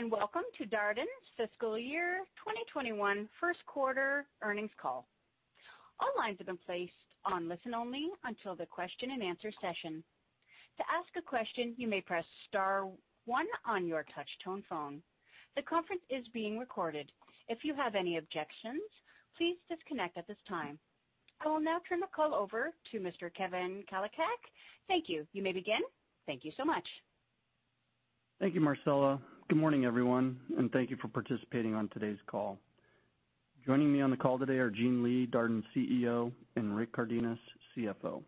Hello, and welcome to Darden's Fiscal Year 2021 First Quarter Earnings Call. All lines have been placed on listen-only until the question-and-answer session. To ask a question, you may press star one on your touch-tone phone. The conference is being recorded. If you have any objections, please disconnect at this time. I will now turn the call over to Mr. Kevin Kalicak. Thank you. You may begin. Thank you so much. Thank you, Marcela. Good morning, everyone, and thank you for participating on today's call. Joining me on the call today are Gene Lee, Darden's CEO, and Rick Cardenas, CFO.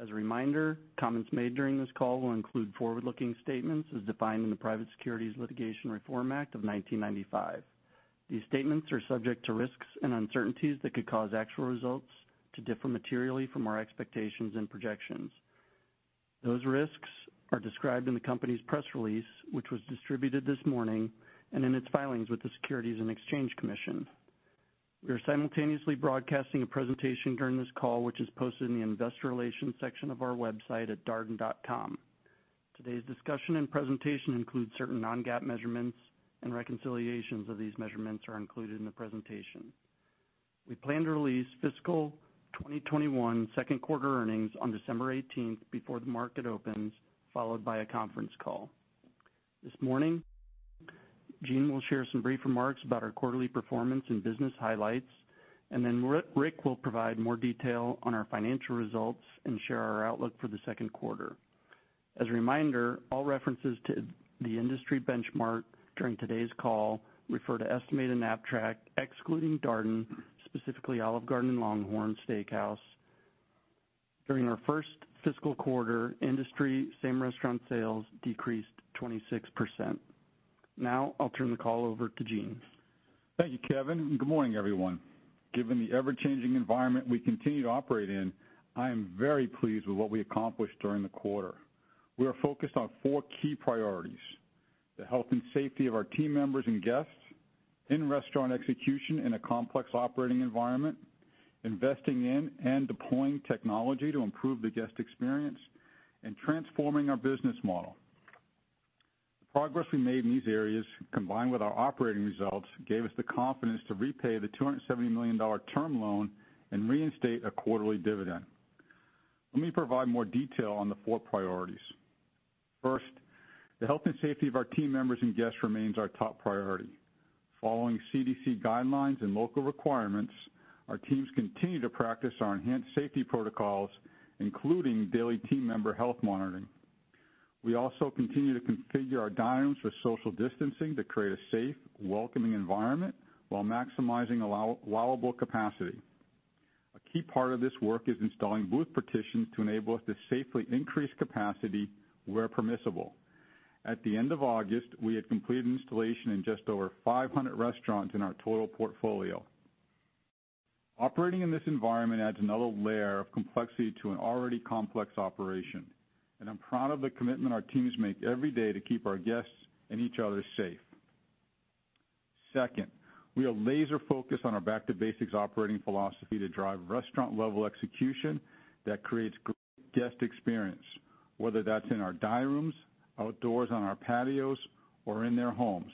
As a reminder, comments made during this call will include forward-looking statements as defined in the Private Securities Litigation Reform Act of 1995. These statements are subject to risks and uncertainties that could cause actual results to differ materially from our expectations and projections. Those risks are described in the company's press release, which was distributed this morning, and in its filings with the Securities and Exchange Commission. We are simultaneously broadcasting a presentation during this call, which is posted in the investor relations section of our website at darden.com. Today's discussion and presentation include certain non-GAAP measurements, and reconciliations of these measurements are included in the presentation. We plan to release fiscal 2021 second quarter earnings on December 18th before the market opens, followed by a conference call. This morning, Gene will share some brief remarks about our quarterly performance and business highlights, and then Rick will provide more detail on our financial results and share our outlook for the second quarter. As a reminder, all references to the industry benchmark during today's call refer to estimated NAPTRAC, excluding Darden, specifically Olive Garden and LongHorn Steakhouse. During our first fiscal quarter, industry same-restaurant sales decreased 26%. Now, I'll turn the call over to Gene. Thank you, Kevin, and good morning, everyone. Given the ever-changing environment we continue to operate in, I am very pleased with what we accomplished during the quarter. We are focused on four key priorities: the health and safety of our team members and guests, in-restaurant execution in a complex operating environment, investing in and deploying technology to improve the guest experience, and transforming our business model. The progress we made in these areas, combined with our operating results, gave us the confidence to repay the $270 million term loan and reinstate a quarterly dividend. Let me provide more detail on the four priorities. First, the health and safety of our team members and guests remains our top priority. Following CDC guidelines and local requirements, our teams continue to practice our enhanced safety protocols, including daily team member health monitoring. We also continue to configure our dining rooms for social distancing to create a safe, welcoming environment while maximizing allowable capacity. A key part of this work is installing booth partitions to enable us to safely increase capacity where permissible. At the end of August, we had completed installation in just over 500 restaurants in our total portfolio. Operating in this environment adds another layer of complexity to an already complex operation, and I'm proud of the commitment our teams make every day to keep our guests and each other safe. Second, we are laser-focused on our back-to-basics operating philosophy to drive restaurant-level execution that creates great guest experience, whether that's in our dining rooms, outdoors on our patios, or in their homes.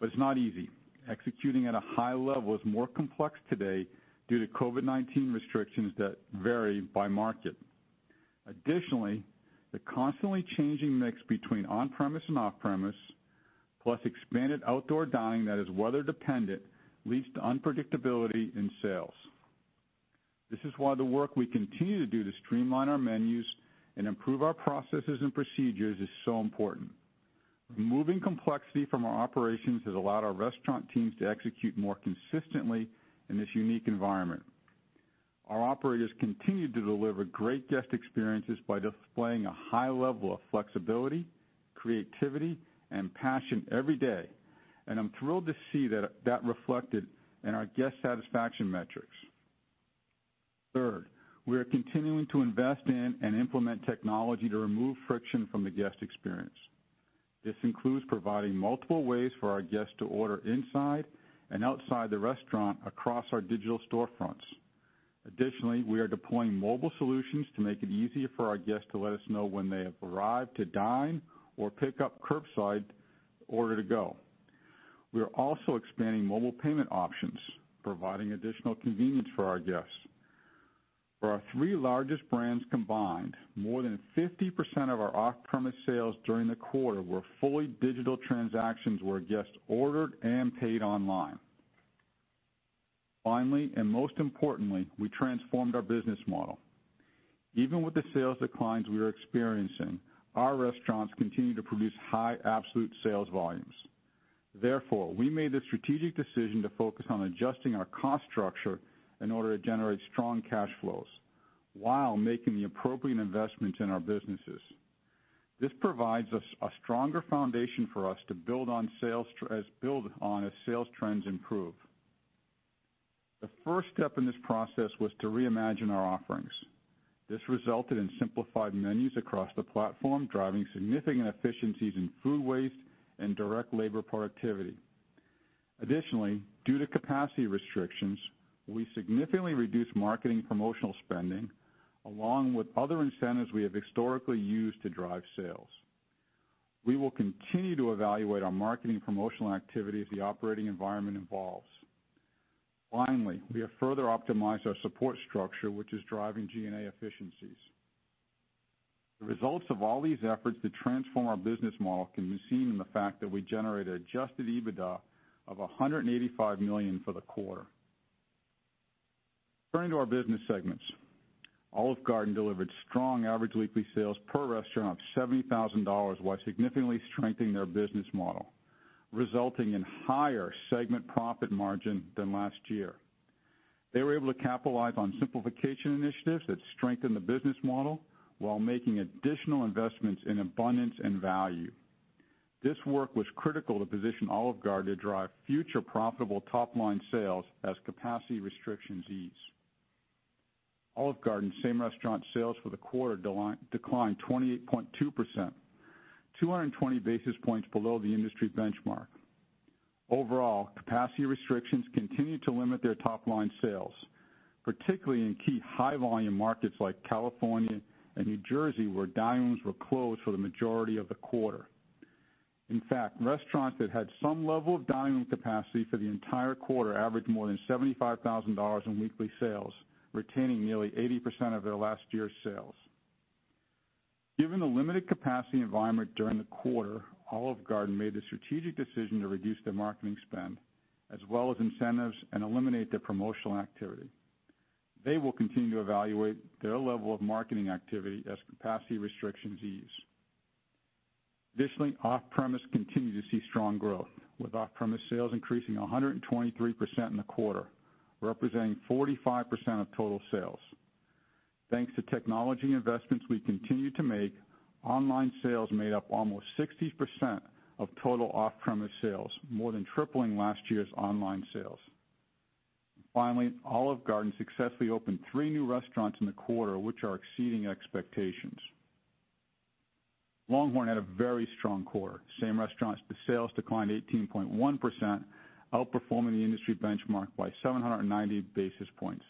It's not easy. Executing at a high level is more complex today due to COVID-19 restrictions that vary by market. Additionally, the constantly changing mix between on-premise and off-premise, plus expanded outdoor dining that is weather-dependent, leads to unpredictability in sales. This is why the work we continue to do to streamline our menus and improve our processes and procedures is so important. Removing complexity from our operations has allowed our restaurant teams to execute more consistently in this unique environment. Our operators continue to deliver great guest experiences by displaying a high level of flexibility, creativity, and passion every day, and I'm thrilled to see that reflected in our guest satisfaction metrics. Third, we are continuing to invest in and implement technology to remove friction from the guest experience. This includes providing multiple ways for our guests to order inside and outside the restaurant across our digital storefronts. Additionally, we are deploying mobile solutions to make it easier for our guests to let us know when they have arrived to dine or pick up curbside order-to-go. We are also expanding mobile payment options, providing additional convenience for our guests. For our three largest brands combined, more than 50% of our off-premise sales during the quarter were fully digital transactions where guests ordered and paid online. Finally, and most importantly, we transformed our business model. Even with the sales declines we are experiencing, our restaurants continue to produce high absolute sales volumes. Therefore, we made the strategic decision to focus on adjusting our cost structure in order to generate strong cash flows while making the appropriate investments in our businesses. This provides us a stronger foundation for us to build on as sales trends improve. The first step in this process was to reimagine our offerings. This resulted in simplified menus across the platform, driving significant efficiencies in food waste and direct labor productivity. Additionally, due to capacity restrictions, we significantly reduced marketing promotional spending, along with other incentives we have historically used to drive sales. We will continue to evaluate our marketing promotional activity as the operating environment evolves. Finally, we have further optimized our support structure, which is driving G&A efficiencies. The results of all these efforts to transform our business model can be seen in the fact that we generated adjusted EBITDA of $185 million for the quarter. Turning to our business segments, Olive Garden delivered strong average weekly sales per restaurant of $70,000 while significantly strengthening their business model, resulting in higher segment profit margin than last year. They were able to capitalize on simplification initiatives that strengthened the business model while making additional investments in abundance and value. This work was critical to position Olive Garden to drive future profitable top-line sales as capacity restrictions ease. Olive Garden's same-restaurant sales for the quarter declined 28.2%, 220 basis points below the industry benchmark. Overall, capacity restrictions continue to limit their top-line sales, particularly in key high-volume markets like California and New Jersey, where dining rooms were closed for the majority of the quarter. In fact, restaurants that had some level of dining room capacity for the entire quarter averaged more than $75,000 in weekly sales, retaining nearly 80% of their last year's sales. Given the limited capacity environment during the quarter, Olive Garden made the strategic decision to reduce their marketing spend, as well as incentives, and eliminate their promotional activity. They will continue to evaluate their level of marketing activity as capacity restrictions ease. Additionally, off-premise continued to see strong growth, with off-premise sales increasing 123% in the quarter, representing 45% of total sales. Thanks to technology investments we continue to make, online sales made up almost 60% of total off-premise sales, more than tripling last year's online sales. Finally, Olive Garden successfully opened three new restaurants in the quarter, which are exceeding expectations. LongHorn had a very strong quarter. Same restaurants, the sales declined 18.1%, outperforming the industry benchmark by 790 basis points.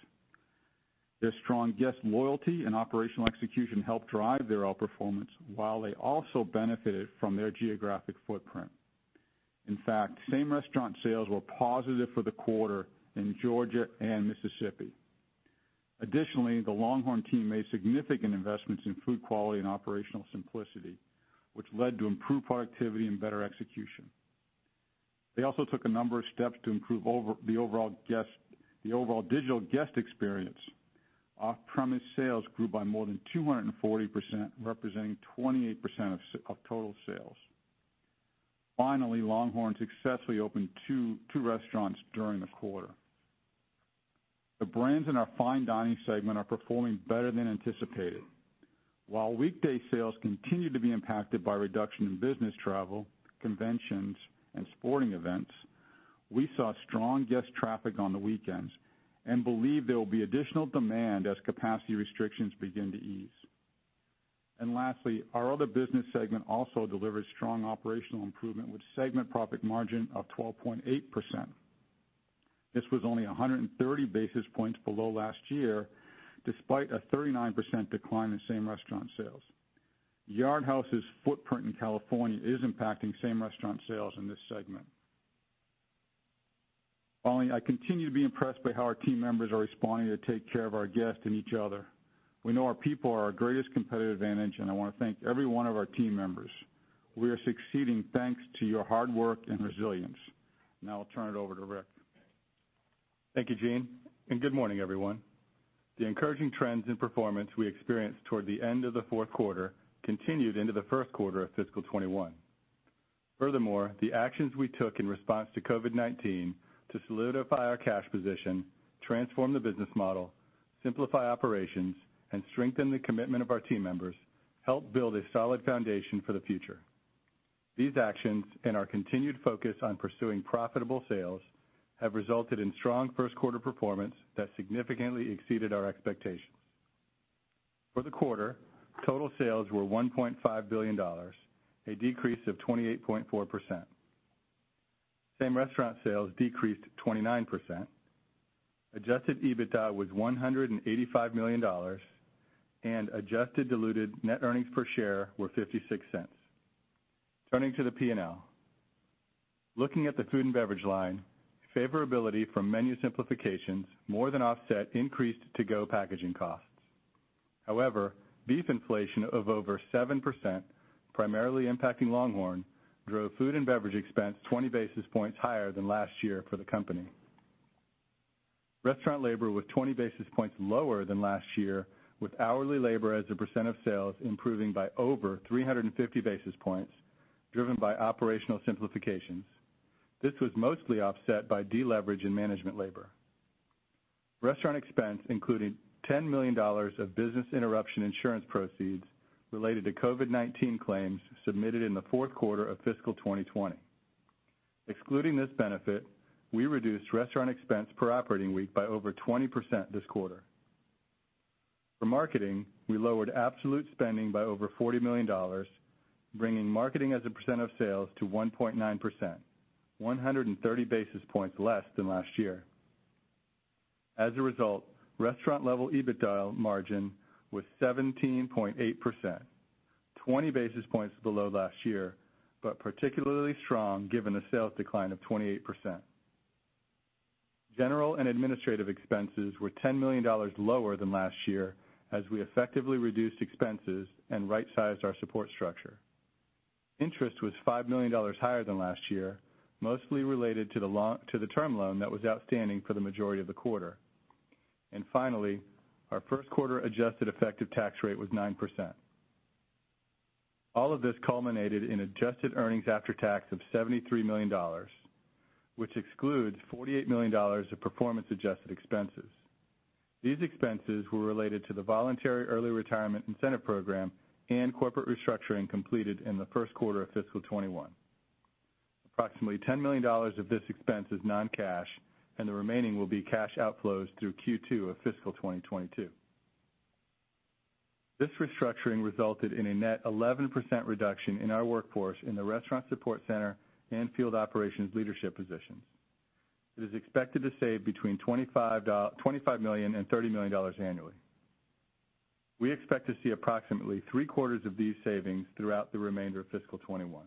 Their strong guest loyalty and operational execution helped drive their outperformance, while they also benefited from their geographic footprint. In fact, same restaurant sales were positive for the quarter in Georgia and Mississippi. Additionally, the LongHorn team made significant investments in food quality and operational simplicity, which led to improved productivity and better execution. They also took a number of steps to improve the overall digital guest experience. Off-premise sales grew by more than 240%, representing 28% of total sales. Finally, LongHorn successfully opened two restaurants during the quarter. The brands in our fine dining segment are performing better than anticipated. While weekday sales continue to be impacted by reduction in business travel, conventions, and sporting events, we saw strong guest traffic on the weekends and believe there will be additional demand as capacity restrictions begin to ease. Lastly, our other business segment also delivered strong operational improvement with segment profit margin of 12.8%. This was only 130 basis points below last year, despite a 39% decline in same-restaurant sales. Yard House's footprint in California is impacting same-restaurant sales in this segment. Finally, I continue to be impressed by how our team members are responding to take care of our guests and each other. We know our people are our greatest competitive advantage, and I want to thank every one of our team members. We are succeeding thanks to your hard work and resilience. Now, I'll turn it over to Rick. Thank you, Gene. Good morning, everyone. The encouraging trends in performance we experienced toward the end of the fourth quarter continued into the first quarter of fiscal 2021. Furthermore, the actions we took in response to COVID-19 to solidify our cash position, transform the business model, simplify operations, and strengthen the commitment of our team members helped build a solid foundation for the future. These actions and our continued focus on pursuing profitable sales have resulted in strong first-quarter performance that significantly exceeded our expectations. For the quarter, total sales were $1.5 billion, a decrease of 28.4%. Same-restaurant sales decreased 29%. Adjusted EBITDA was $185 million, and adjusted diluted net earnings per share were $0.56. Turning to the P&L. Looking at the food and beverage line, favorability from menu simplifications more than offset increased to-go packaging costs. However, beef inflation of over 7%, primarily impacting LongHorn, drove food and beverage expense 20 basis points higher than last year for the company. Restaurant labor was 20 basis points lower than last year, with hourly labor as a percent of sales improving by over 350 basis points, driven by operational simplifications. This was mostly offset by deleverage in management labor. Restaurant expense included $10 million of business interruption insurance proceeds related to COVID-19 claims submitted in the fourth quarter of fiscal 2020. Excluding this benefit, we reduced restaurant expense per operating week by over 20% this quarter. For marketing, we lowered absolute spending by over $40 million, bringing marketing as a percent of sales to 1.9%, 130 basis points less than last year. As a result, restaurant-level EBITDA margin was 17.8%, 20 basis points below last year, but particularly strong given the sales decline of 28%. General and administrative expenses were $10 million lower than last year as we effectively reduced expenses and right-sized our support structure. Interest was $5 million higher than last year, mostly related to the term loan that was outstanding for the majority of the quarter. Finally, our first-quarter adjusted effective tax rate was 9%. All of this culminated in adjusted earnings after tax of $73 million, which excludes $48 million of performance-adjusted expenses. These expenses were related to the voluntary early retirement incentive program and corporate restructuring completed in the first quarter of fiscal 2021. Approximately $10 million of this expense is non-cash, and the remaining will be cash outflows through Q2 of fiscal 2022. This restructuring resulted in a net 11% reduction in our workforce in the restaurant support center and field operations leadership positions. It is expected to save between $25 million and $30 million annually. We expect to see approximately three-quarters of these savings throughout the remainder of fiscal 2021.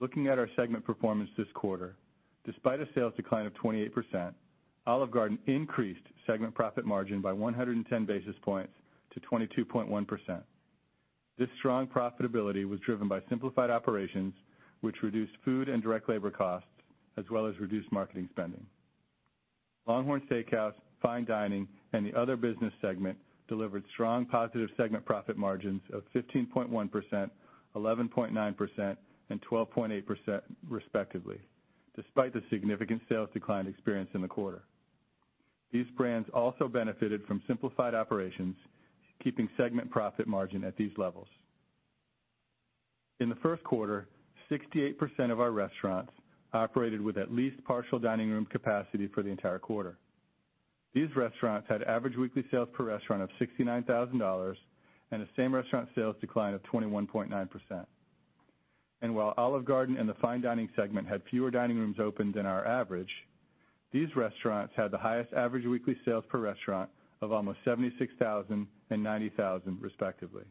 Looking at our segment performance this quarter, despite a sales decline of 28%, Olive Garden increased segment profit margin by 110 basis points to 22.1%. This strong profitability was driven by simplified operations, which reduced food and direct labor costs, as well as reduced marketing spending. LongHorn Steakhouse, fine dining, and the other business segment delivered strong positive segment profit margins of 15.1%, 11.9%, and 12.8%, respectively, despite the significant sales decline experienced in the quarter. These brands also benefited from simplified operations, keeping segment profit margin at these levels. In the first quarter, 68% of our restaurants operated with at least partial dining room capacity for the entire quarter. These restaurants had average weekly sales per restaurant of $69,000 and a same-restaurant sales decline of 21.9%. While Olive Garden and the fine dining segment had fewer dining rooms open than our average, these restaurants had the highest average weekly sales per restaurant of almost $76,000 and $90,000, respectively.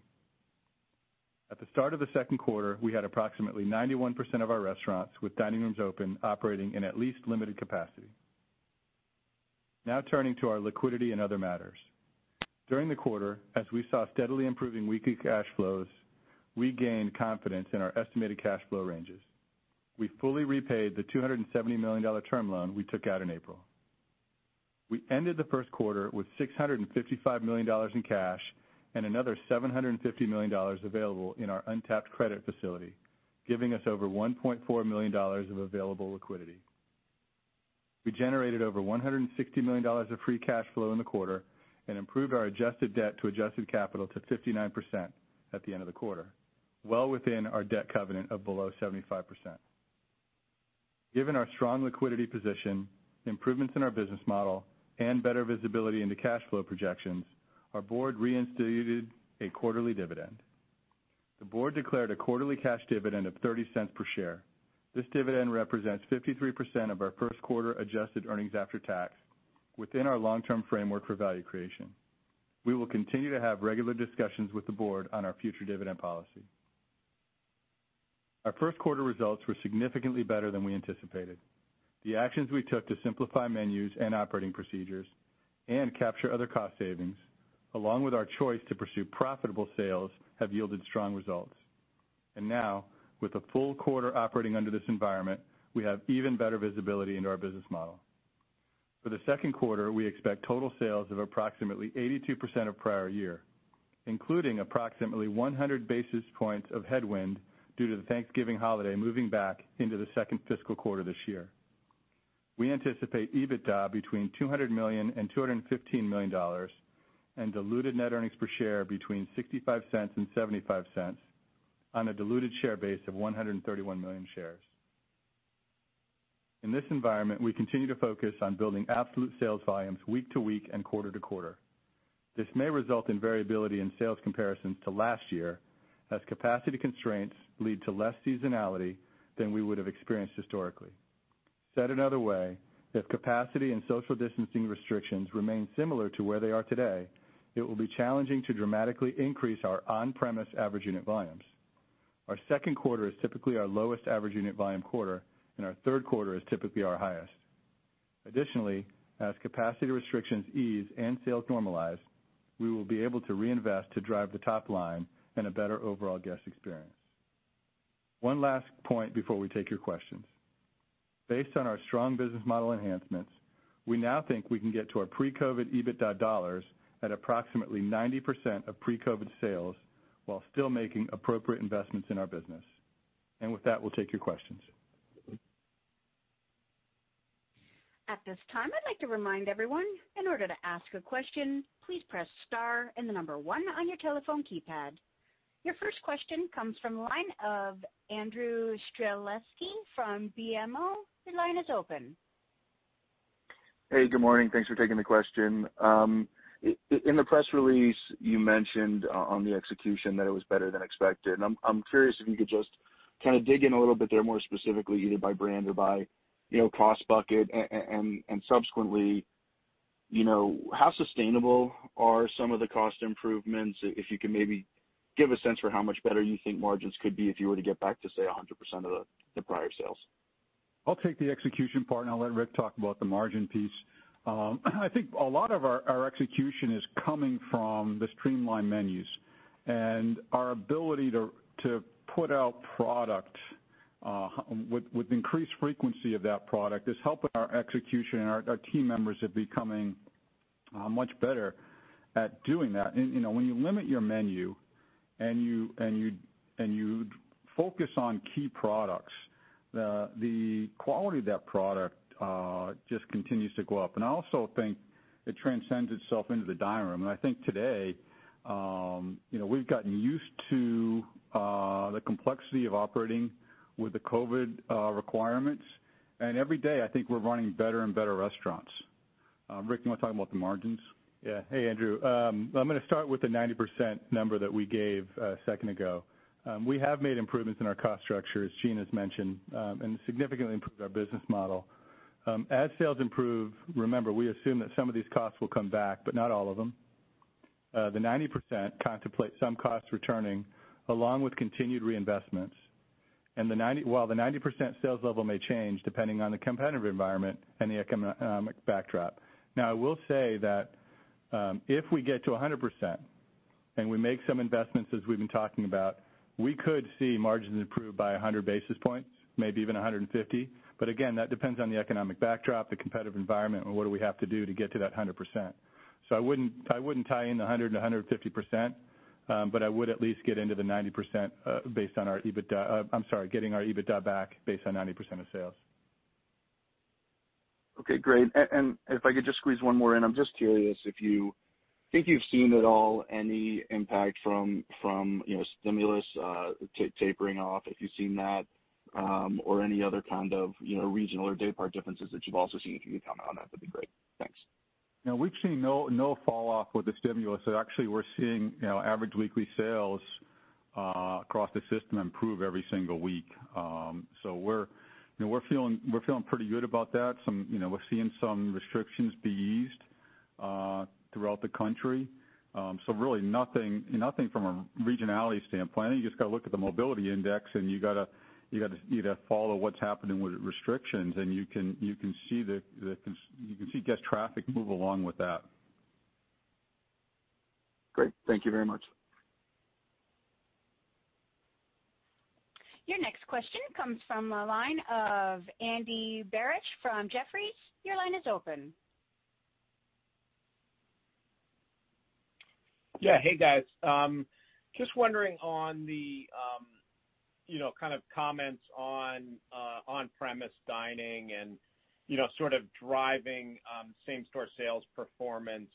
At the start of the second quarter, we had approximately 91% of our restaurants with dining rooms open operating in at least limited capacity. Now turning to our liquidity and other matters. During the quarter, as we saw steadily improving weekly cash flows, we gained confidence in our estimated cash flow ranges. We fully repaid the $270 million term loan we took out in April. We ended the first quarter with $655 million in cash and another $750 million available in our untapped credit facility, giving us over $1.4 billion of available liquidity. We generated over $160 million of free cash flow in the quarter and improved our adjusted debt to adjusted capital to 59% at the end of the quarter, well within our debt covenant of below 75%. Given our strong liquidity position, improvements in our business model, and better visibility into cash flow projections, our board reinstituted a quarterly dividend. The board declared a quarterly cash dividend of $0.30 per share. This dividend represents 53% of our first-quarter adjusted earnings after tax within our long-term framework for value creation. We will continue to have regular discussions with the board on our future dividend policy. Our first-quarter results were significantly better than we anticipated. The actions we took to simplify menus and operating procedures and capture other cost savings, along with our choice to pursue profitable sales, have yielded strong results. Now, with the full quarter operating under this environment, we have even better visibility into our business model. For the second quarter, we expect total sales of approximately 82% of prior year, including approximately 100 basis points of headwind due to the Thanksgiving holiday moving back into the second fiscal quarter this year. We anticipate EBITDA between $200 million and $215 million and diluted net earnings per share between $0.65 and $0.75 on a diluted share base of 131 million shares. In this environment, we continue to focus on building absolute sales volumes week to week and quarter to quarter. This may result in variability in sales comparisons to last year as capacity constraints lead to less seasonality than we would have experienced historically. Said another way, if capacity and social distancing restrictions remain similar to where they are today, it will be challenging to dramatically increase our on-premise average unit volumes. Our second quarter is typically our lowest average unit volume quarter, and our third quarter is typically our highest. Additionally, as capacity restrictions ease and sales normalize, we will be able to reinvest to drive the top line and a better overall guest experience. One last point before we take your questions. Based on our strong business model enhancements, we now think we can get to our pre-COVID EBITDA dollars at approximately 90% of pre-COVID sales while still making appropriate investments in our business. With that, we'll take your questions. At this time, I'd like to remind everyone, in order to ask a question, please press star and the number one on your telephone keypad. Your first question comes from the line of Andrew Strelzik from BMO. Your line is open. Hey, good morning. Thanks for taking the question. In the press release, you mentioned on the execution that it was better than expected. I'm curious if you could just kind of dig in a little bit there more specifically, either by brand or by cost bucket, and subsequently, how sustainable are some of the cost improvements, if you can maybe give a sense for how much better you think margins could be if you were to get back to, say, 100% of the prior sales? I'll take the execution part, and I'll let Rick talk about the margin piece. I think a lot of our execution is coming from the streamlined menus. Our ability to put out product with increased frequency of that product is helping our execution and our team members are becoming much better at doing that. When you limit your menu and you focus on key products, the quality of that product just continues to go up. I also think it transcends itself into the dining room. I think today, we've gotten used to the complexity of operating with the COVID requirements. Every day, I think we're running better and better restaurants. Rick, you want to talk about the margins? Yeah. Hey, Andrew. I'm going to start with the 90% number that we gave a second ago. We have made improvements in our cost structure, as Gene has mentioned, and significantly improved our business model. As sales improve, remember, we assume that some of these costs will come back, but not all of them. The 90% contemplate some costs returning along with continued reinvestments. While the 90% sales level may change depending on the competitive environment and the economic backdrop. I will say that if we get to 100% and we make some investments, as we've been talking about, we could see margins improve by 100 basis points, maybe even 150. Again, that depends on the economic backdrop, the competitive environment, and what do we have to do to get to that 100%. I would not tie in the 100 and 150%, but I would at least get into the 90% based on our EBITDA—I'm sorry, getting our EBITDA back based on 90% of sales. Okay. Great. If I could just squeeze one more in, I'm just curious if you think you've seen at all any impact from stimulus tapering off, if you've seen that, or any other kind of regional or daypart differences that you've also seen. If you can comment on that, that'd be great. Thanks. No, we've seen no falloff with the stimulus. Actually, we're seeing average weekly sales across the system improve every single week. We're feeling pretty good about that. We're seeing some restrictions be eased throughout the country. Really nothing from a regionality standpoint. I think you just got to look at the mobility index, and you got to follow what's happening with restrictions, and you can see the—you can see guest traffic move along with that. Great. Thank you very much. Your next question comes from the line of Andy Baric from Jefferies. Your line is open. Yeah. Hey, guys. Just wondering on the kind of comments on on-premise dining and sort of driving same-store sales performance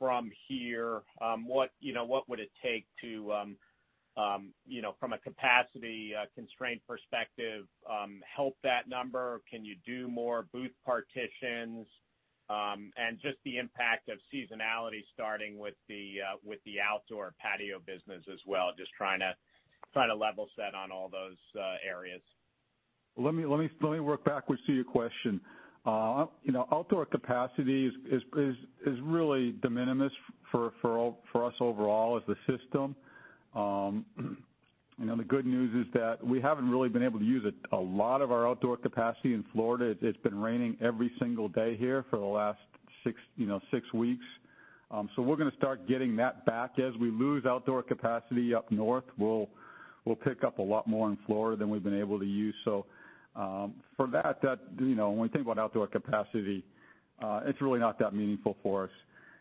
from here, what would it take to, from a capacity constraint perspective, help that number? Can you do more booth partitions? And just the impact of seasonality, starting with the outdoor patio business as well, just trying to level set on all those areas. Let me work backwards to your question. Outdoor capacity is really de minimis for us overall as the system. The good news is that we haven't really been able to use a lot of our outdoor capacity in Florida. It's been raining every single day here for the last six weeks. We're going to start getting that back. As we lose outdoor capacity up north, we'll pick up a lot more in Florida than we've been able to use. For that, when we think about outdoor capacity, it's really not that meaningful for us.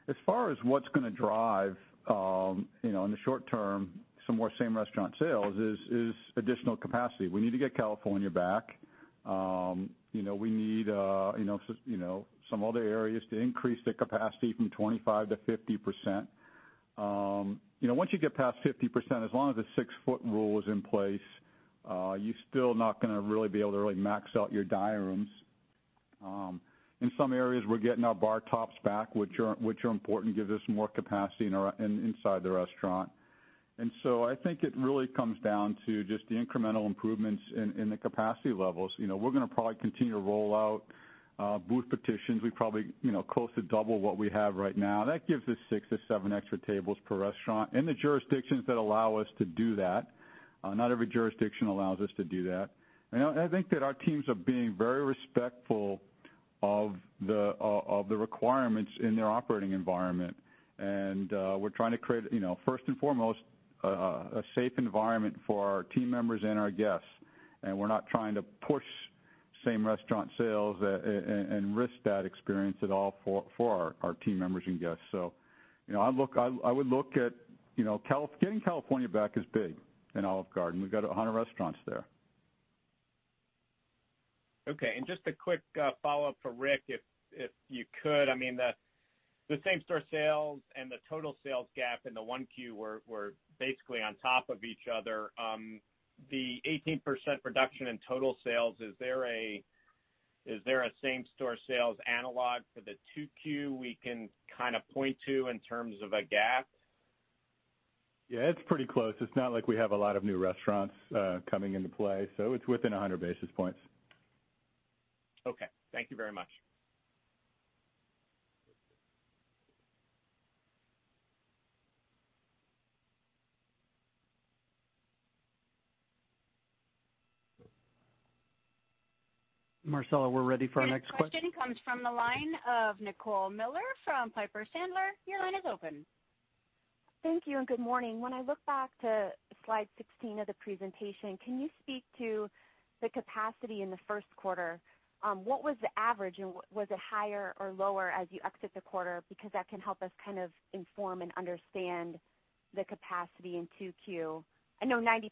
As far as what's going to drive in the short-term some more same-restaurant sales is additional capacity. We need to get California back. We need some other areas to increase the capacity from 25%-50%. Once you get past 50%, as long as the six-foot rule is in place, you're still not going to really be able to really max out your dining rooms. In some areas, we're getting our bar tops back, which are important, gives us more capacity inside the restaurant. I think it really comes down to just the incremental improvements in the capacity levels. We're going to probably continue to roll out booth partitions. We probably close to double what we have right now. That gives us six to seven extra tables per restaurant in the jurisdictions that allow us to do that. Not every jurisdiction allows us to do that. I think that our teams are being very respectful of the requirements in their operating environment. We're trying to create, first and foremost, a safe environment for our team members and our guests. We are not trying to push same-restaurant sales and risk that experience at all for our team members and guests. I would look at getting California back as big in Olive Garden. We have 100 restaurants there. Okay. Just a quick follow-up for Rick, if you could. I mean, the same-store sales and the total sales gap in the one Q were basically on top of each other. The 18% reduction in total sales, is there a same-store sales analog for the two Q we can kind of point to in terms of a gap? Yeah, it's pretty close. It's not like we have a lot of new restaurants coming into play. So it's within 100 basis points. Okay. Thank you very much. Marcela, we're ready for our next question. Question comes from the line of Nicole Miller from Piper Sandler. Your line is open. Thank you and good morning. When I look back to slide 16 of the presentation, can you speak to the capacity in the first quarter? What was the average, and was it higher or lower as you exit the quarter? Because that can help us kind of inform and understand the capacity in 2Q. I know 91%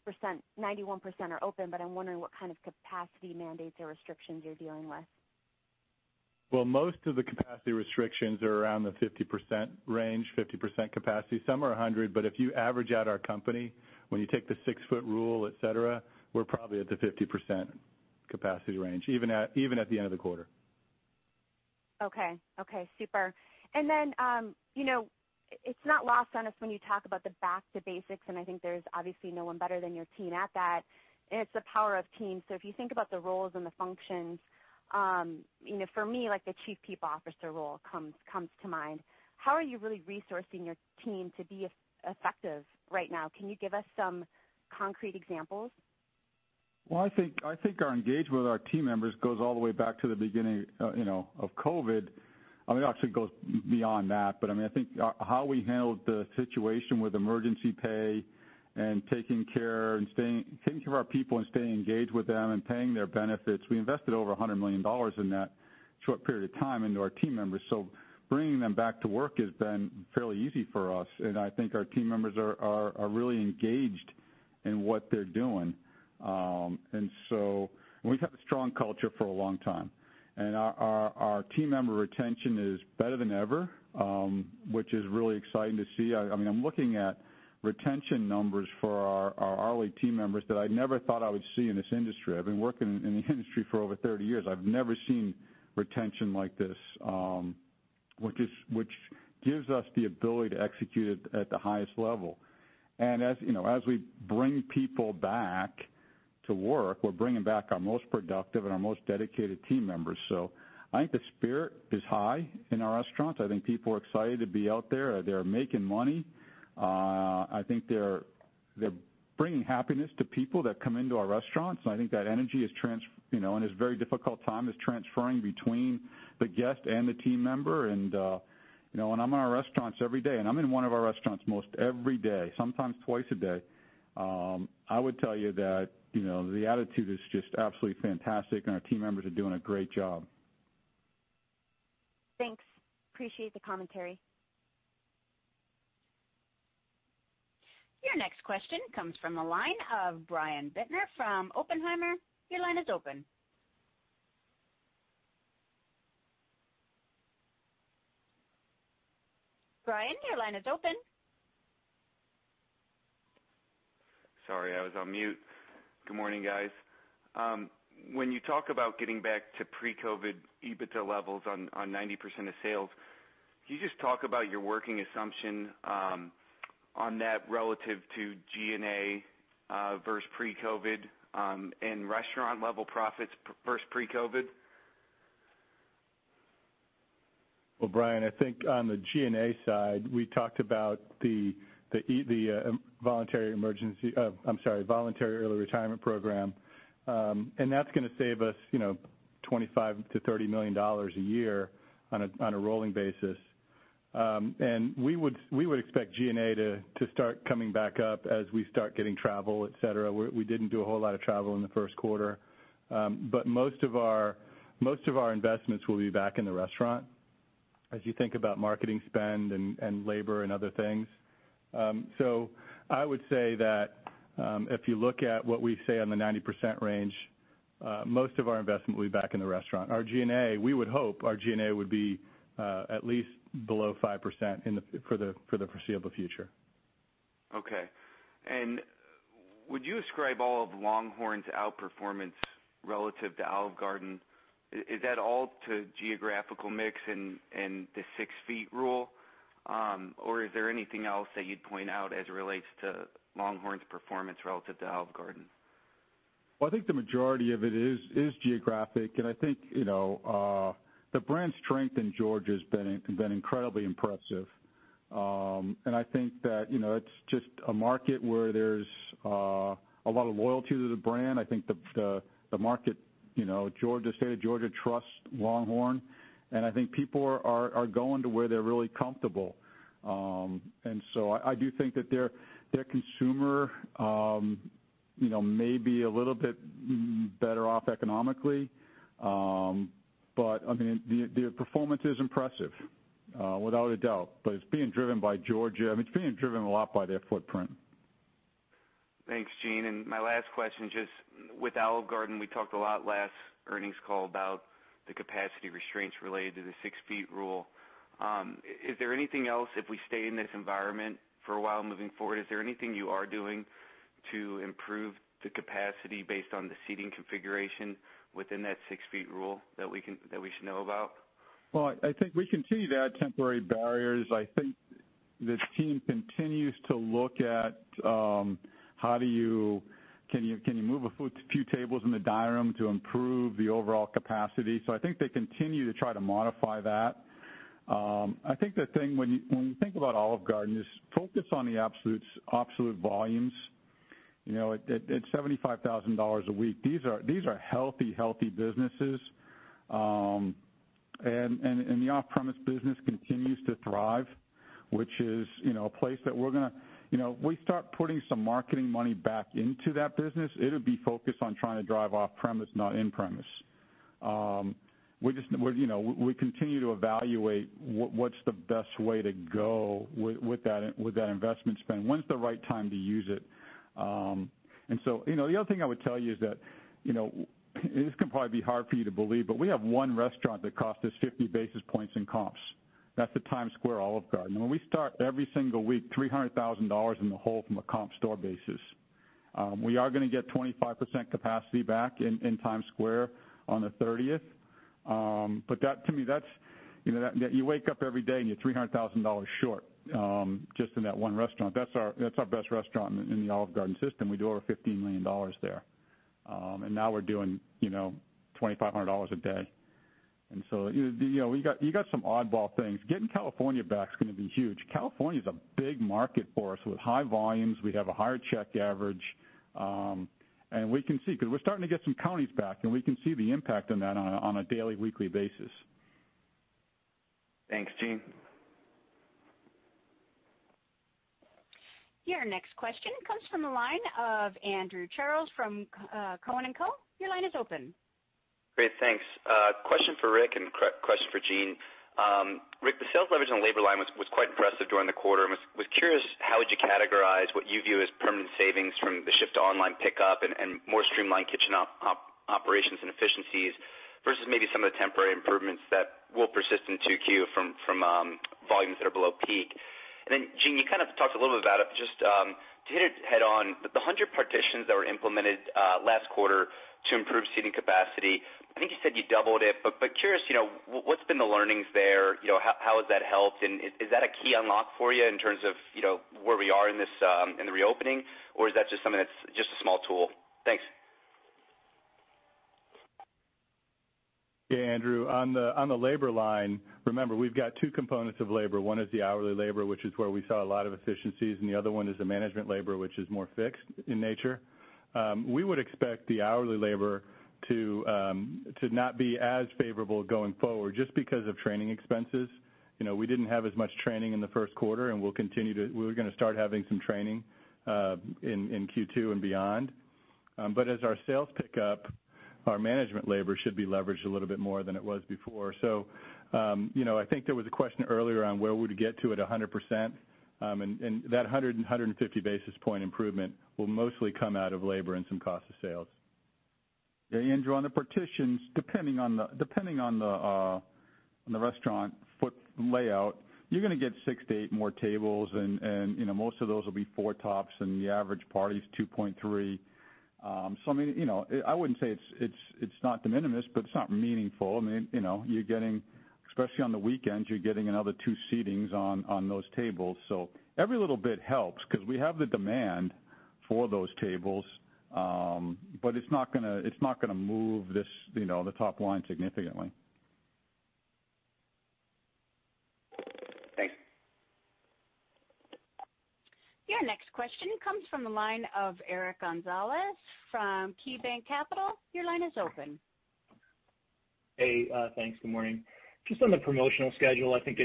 are open, but I'm wondering what kind of capacity mandates or restrictions you're dealing with. Most of the capacity restrictions are around the 50% range, 50% capacity. Some are 100. If you average out our company, when you take the six-foot rule, etc., we're probably at the 50% capacity range, even at the end of the quarter. Okay. Okay. Super. It is not lost on us when you talk about the back to basics, and I think there is obviously no one better than your team at that. It is the power of team. If you think about the roles and the functions, for me, the Chief People Officer role comes to mind. How are you really resourcing your team to be effective right now? Can you give us some concrete examples? I think our engagement with our team members goes all the way back to the beginning of COVID. I mean, it actually goes beyond that. I think how we handled the situation with emergency pay and taking care and taking care of our people and staying engaged with them and paying their benefits, we invested over $100 million in that short period of time into our team members. Bringing them back to work has been fairly easy for us. I think our team members are really engaged in what they're doing. We have had a strong culture for a long time. Our team member retention is better than ever, which is really exciting to see. I mean, I'm looking at retention numbers for our early team members that I never thought I would see in this industry. I've been working in the industry for over 30 years. I've never seen retention like this, which gives us the ability to execute at the highest level. As we bring people back to work, we're bringing back our most productive and our most dedicated team members. I think the spirit is high in our restaurants. I think people are excited to be out there. They're making money. I think they're bringing happiness to people that come into our restaurants. I think that energy, in a very difficult time, is transferring between the guest and the team member. When I'm in our restaurants every day, and I'm in one of our restaurants most every day, sometimes twice a day, I would tell you that the attitude is just absolutely fantastic, and our team members are doing a great job. Thanks. Appreciate the commentary. Your next question comes from the line of Brian Bittner from Oppenheimer. Your line is open. Brian, your line is open. Sorry, I was on mute. Good morning, guys. When you talk about getting back to pre-COVID EBITDA levels on 90% of sales, can you just talk about your working assumption on that relative to G&A versus pre-COVID and restaurant-level profits versus pre-COVID? Brian, I think on the G&A side, we talked about the voluntary emergency—I'm sorry, voluntary early retirement program. That's going to save us $25 million-$30 million a year on a rolling basis. We would expect G&A to start coming back up as we start getting travel, etc. We didn't do a whole lot of travel in the first quarter. Most of our investments will be back in the restaurant as you think about marketing spend and labor and other things. I would say that if you look at what we say on the 90% range, most of our investment will be back in the restaurant. Our G&A, we would hope our G&A would be at least below 5% for the foreseeable future. Okay. Would you describe all of LongHorn's outperformance relative to Olive Garden? Is that all to geographical mix and the six feet rule? Is there anything else that you'd point out as it relates to LongHorn's performance relative to Olive Garden? I think the majority of it is geographic. I think the brand strength in Georgia has been incredibly impressive. I think that it's just a market where there's a lot of loyalty to the brand. I think the market, Georgia, the state of Georgia trusts LongHorn. I think people are going to where they're really comfortable. I do think that their consumer may be a little bit better off economically. I mean, their performance is impressive, without a doubt. It's being driven by Georgia. I mean, it's being driven a lot by their footprint. Thanks, Gene. My last question, just with Olive Garden, we talked a lot last earnings call about the capacity restraints related to the six feet rule. Is there anything else if we stay in this environment for a while moving forward? Is there anything you are doing to improve the capacity based on the seating configuration within that six feet rule that we should know about? I think we continue to add temporary barriers. I think the team continues to look at how do you—can you move a few tables in the dining room to improve the overall capacity? I think they continue to try to modify that. I think the thing when you think about Olive Garden is focus on the absolute volumes. At $75,000 a week, these are healthy, healthy businesses. The off-premise business continues to thrive, which is a place that we're going to—we start putting some marketing money back into that business. It would be focused on trying to drive off-premise, not in-premise. We continue to evaluate what's the best way to go with that investment spend. When's the right time to use it? The other thing I would tell you is that this can probably be hard for you to believe, but we have one restaurant that costs us 50 basis points in comps. That's the Times Square Olive Garden. When we start every single week, $300,000 in the hole from a comp store basis. We are going to get 25% capacity back in Times Square on the 30th. To me, that's you wake up every day and you're $300,000 short just in that one restaurant. That's our best restaurant in the Olive Garden system. We do over $15 million there. Now we're doing $2,500 a day. You got some oddball things. Getting California back is going to be huge. California is a big market for us with high volumes. We have a higher check average. We can see because we're starting to get some counties back, and we can see the impact on that on a daily, weekly basis. Thanks, Gene. Your next question comes from the line of Andrew Charles from Cowen & Co. Your line is open. Great. Thanks. Question for Rick and question for Gene. Rick, the sales leverage on the labor line was quite impressive during the quarter. I was curious how would you categorize what you view as permanent savings from the shift to online pickup and more streamlined kitchen operations and efficiencies versus maybe some of the temporary improvements that will persist in 2Q from volumes that are below peak? Gene, you kind of talked a little bit about it, but just to hit it head-on, the 100 partitions that were implemented last quarter to improve seating capacity, I think you said you doubled it. Curious, what's been the learnings there? How has that helped? Is that a key unlock for you in terms of where we are in the reopening, or is that just something that's just a small tool? Thanks. Yeah, Andrew. On the labor line, remember, we've got two components of labor. One is the hourly labor, which is where we saw a lot of efficiencies. The other one is the management labor, which is more fixed in nature. We would expect the hourly labor to not be as favorable going forward just because of training expenses. We didn't have as much training in the first quarter, and we'll continue to—we're going to start having some training in Q2 and beyond. As our sales pick up, our management labor should be leveraged a little bit more than it was before. I think there was a question earlier on where we would get to at 100%. That 100 and 150 basis point improvement will mostly come out of labor and some cost of sales. Yeah, Andrew. On the partitions, depending on the restaurant layout, you're going to get six to eight more tables. Most of those will be four tops, and the average party is 2.3. I mean, I wouldn't say it's not de minimis, but it's not meaningful. I mean, you're getting, especially on the weekends, another two seatings on those tables. Every little bit helps because we have the demand for those tables. It's not going to move the top line significantly. Thanks. Your next question comes from the line of Eric Gonzalez from KeyBanc Capital Markets. Your line is open. Hey, thanks. Good morning. Just on the promotional schedule, I think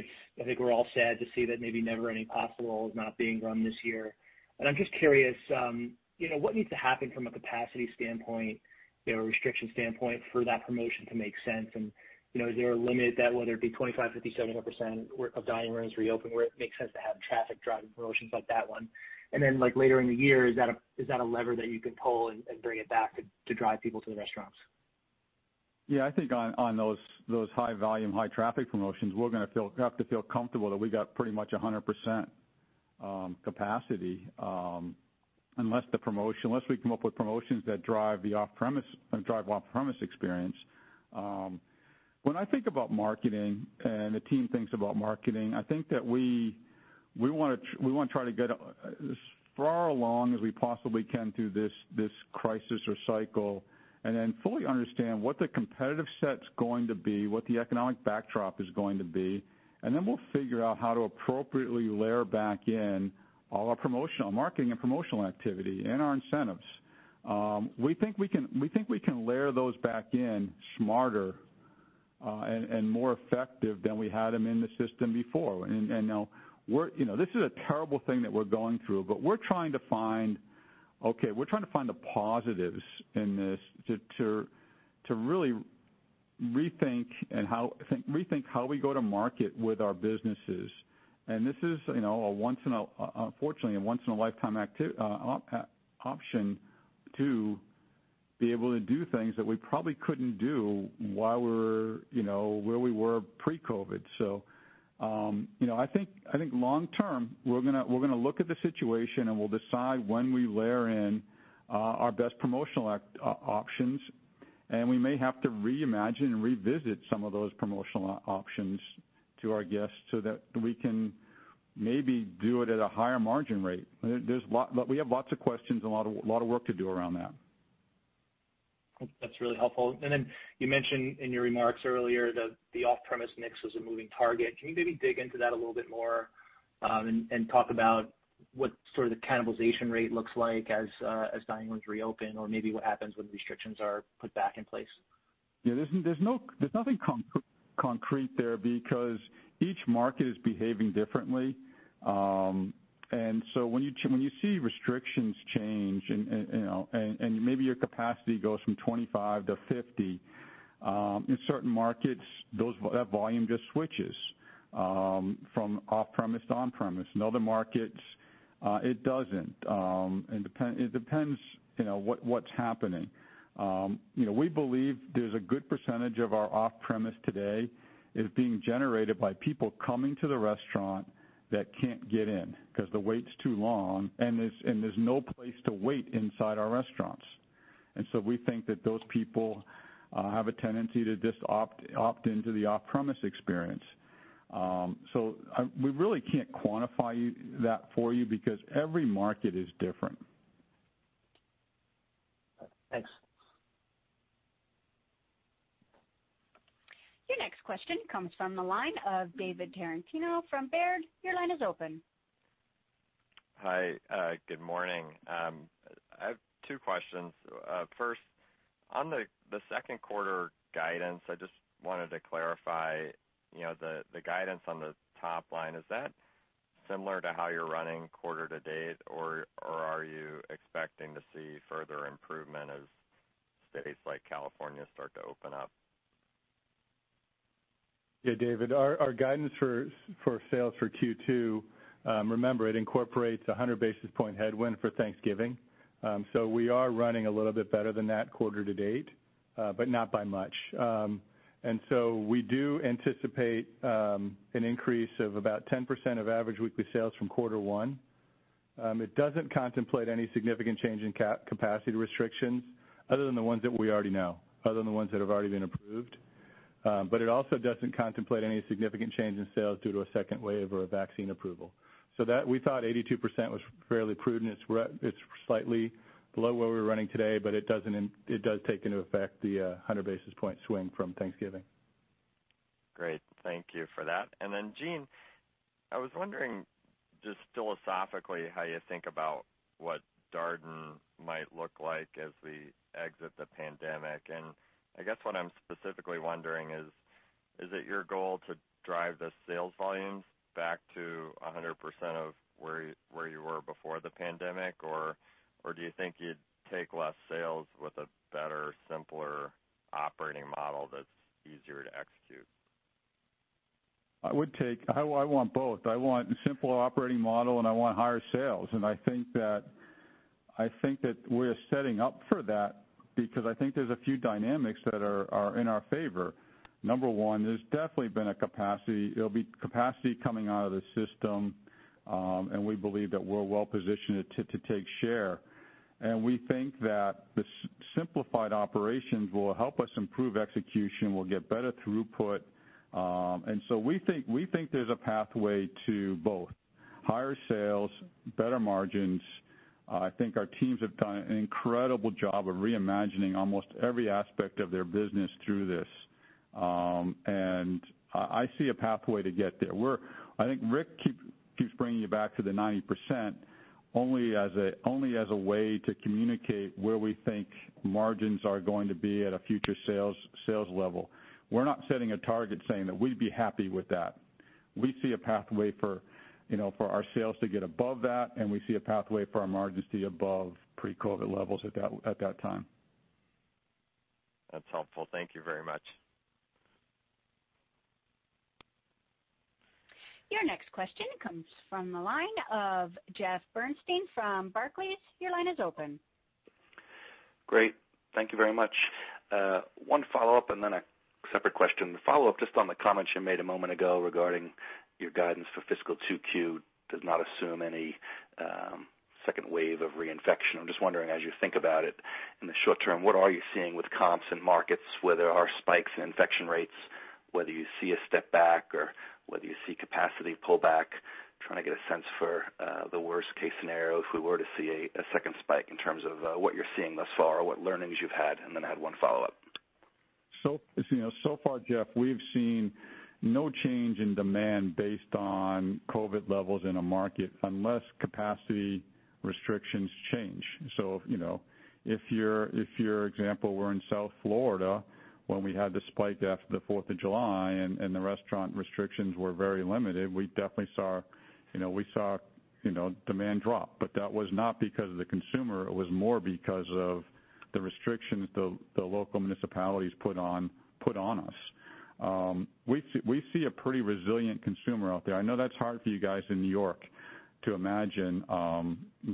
we're all sad to see that maybe Never Ending Possible is not being run this year. I'm just curious, what needs to happen from a capacity standpoint, a restriction standpoint, for that promotion to make sense? Is there a limit that, whether it be 25%, 50%, 70% of dining rooms reopen, where it makes sense to have traffic-driving promotions like that one? Later in the year, is that a lever that you can pull and bring it back to drive people to the restaurants? Yeah. I think on those high-volume, high-traffic promotions, we're going to have to feel comfortable that we got pretty much 100% capacity unless we come up with promotions that drive the off-premise experience. When I think about marketing and the team thinks about marketing, I think that we want to try to get as far along as we possibly can through this crisis or cycle and then fully understand what the competitive set's going to be, what the economic backdrop is going to be. We will figure out how to appropriately layer back in all our promotional marketing and promotional activity and our incentives. We think we can layer those back in smarter and more effective than we had them in the system before. This is a terrible thing that we're going through, but we're trying to find, okay, we're trying to find the positives in this to really rethink how we go to market with our businesses. This is, unfortunately, a once-in-a-lifetime option to be able to do things that we probably couldn't do where we were pre-COVID. I think long-term, we're going to look at the situation and we'll decide when we layer in our best promotional options. We may have to reimagine and revisit some of those promotional options to our guests so that we can maybe do it at a higher margin rate. We have lots of questions and a lot of work to do around that. That's really helpful. You mentioned in your remarks earlier that the off-premise mix was a moving target. Can you maybe dig into that a little bit more and talk about what sort of the cannibalization rate looks like as dining rooms reopen or maybe what happens when the restrictions are put back in place? Yeah. There's nothing concrete there because each market is behaving differently. When you see restrictions change and maybe your capacity goes from 25%-50%, in certain markets, that volume just switches from off-premise to on-premise. In other markets, it doesn't. It depends what's happening. We believe there's a good percentage of our off-premise today is being generated by people coming to the restaurant that can't get in because the wait's too long and there's no place to wait inside our restaurants. We think that those people have a tendency to just opt into the off-premise experience. We really can't quantify that for you because every market is different. Thanks. Your next question comes from the line of David Tarantino from Baird. Your line is open. Hi. Good morning. I have two questions. First, on the second quarter guidance, I just wanted to clarify the guidance on the top line. Is that similar to how you're running quarter to date, or are you expecting to see further improvement as states like California start to open up? Yeah, David. Our guidance for sales for Q2, remember, it incorporates a 100 basis point headwind for Thanksgiving. We are running a little bit better than that quarter to date, but not by much. We do anticipate an increase of about 10% of average weekly sales from quarter one. It does not contemplate any significant change in capacity restrictions other than the ones that we already know, other than the ones that have already been approved. It also does not contemplate any significant change in sales due to a second wave or a vaccine approval. We thought 82% was fairly prudent. It is slightly below where we were running today, but it does take into effect the 100 basis point swing from Thanksgiving. Great. Thank you for that. Gene, I was wondering just philosophically how you think about what Darden might look like as we exit the pandemic. I guess what I'm specifically wondering is, is it your goal to drive the sales volumes back to 100% of where you were before the pandemic, or do you think you'd take less sales with a better, simpler operating model that's easier to execute? I want both. I want a simple operating model, and I want higher sales. I think that we're setting up for that because I think there's a few dynamics that are in our favor. Number one, there's definitely been a capacity. There'll be capacity coming out of the system, and we believe that we're well-positioned to take share. We think that the simplified operations will help us improve execution, will get better throughput. We think there's a pathway to both: higher sales, better margins. I think our teams have done an incredible job of reimagining almost every aspect of their business through this. I see a pathway to get there. I think Rick keeps bringing you back to the 90% only as a way to communicate where we think margins are going to be at a future sales level. We're not setting a target saying that we'd be happy with that. We see a pathway for our sales to get above that, and we see a pathway for our margins to be above pre-COVID levels at that time. That's helpful. Thank you very much. Your next question comes from the line of Jeff Bernstein from Barclays. Your line is open. Great. Thank you very much. One follow-up and then a separate question. The follow-up just on the comments you made a moment ago regarding your guidance for fiscal 2Q does not assume any second wave of reinfection. I'm just wondering, as you think about it in the short term, what are you seeing with comps and markets where there are spikes in infection rates, whether you see a step back or whether you see capacity pullback? Trying to get a sense for the worst-case scenario if we were to see a second spike in terms of what you're seeing thus far or what learnings you've had. I had one follow-up. Jeff, we've seen no change in demand based on COVID levels in a market unless capacity restrictions change. For example, we're in South Florida when we had the spike after the 4th of July and the restaurant restrictions were very limited, we definitely saw demand drop. That was not because of the consumer. It was more because of the restrictions the local municipalities put on us. We see a pretty resilient consumer out there. I know that's hard for you guys in New York to imagine,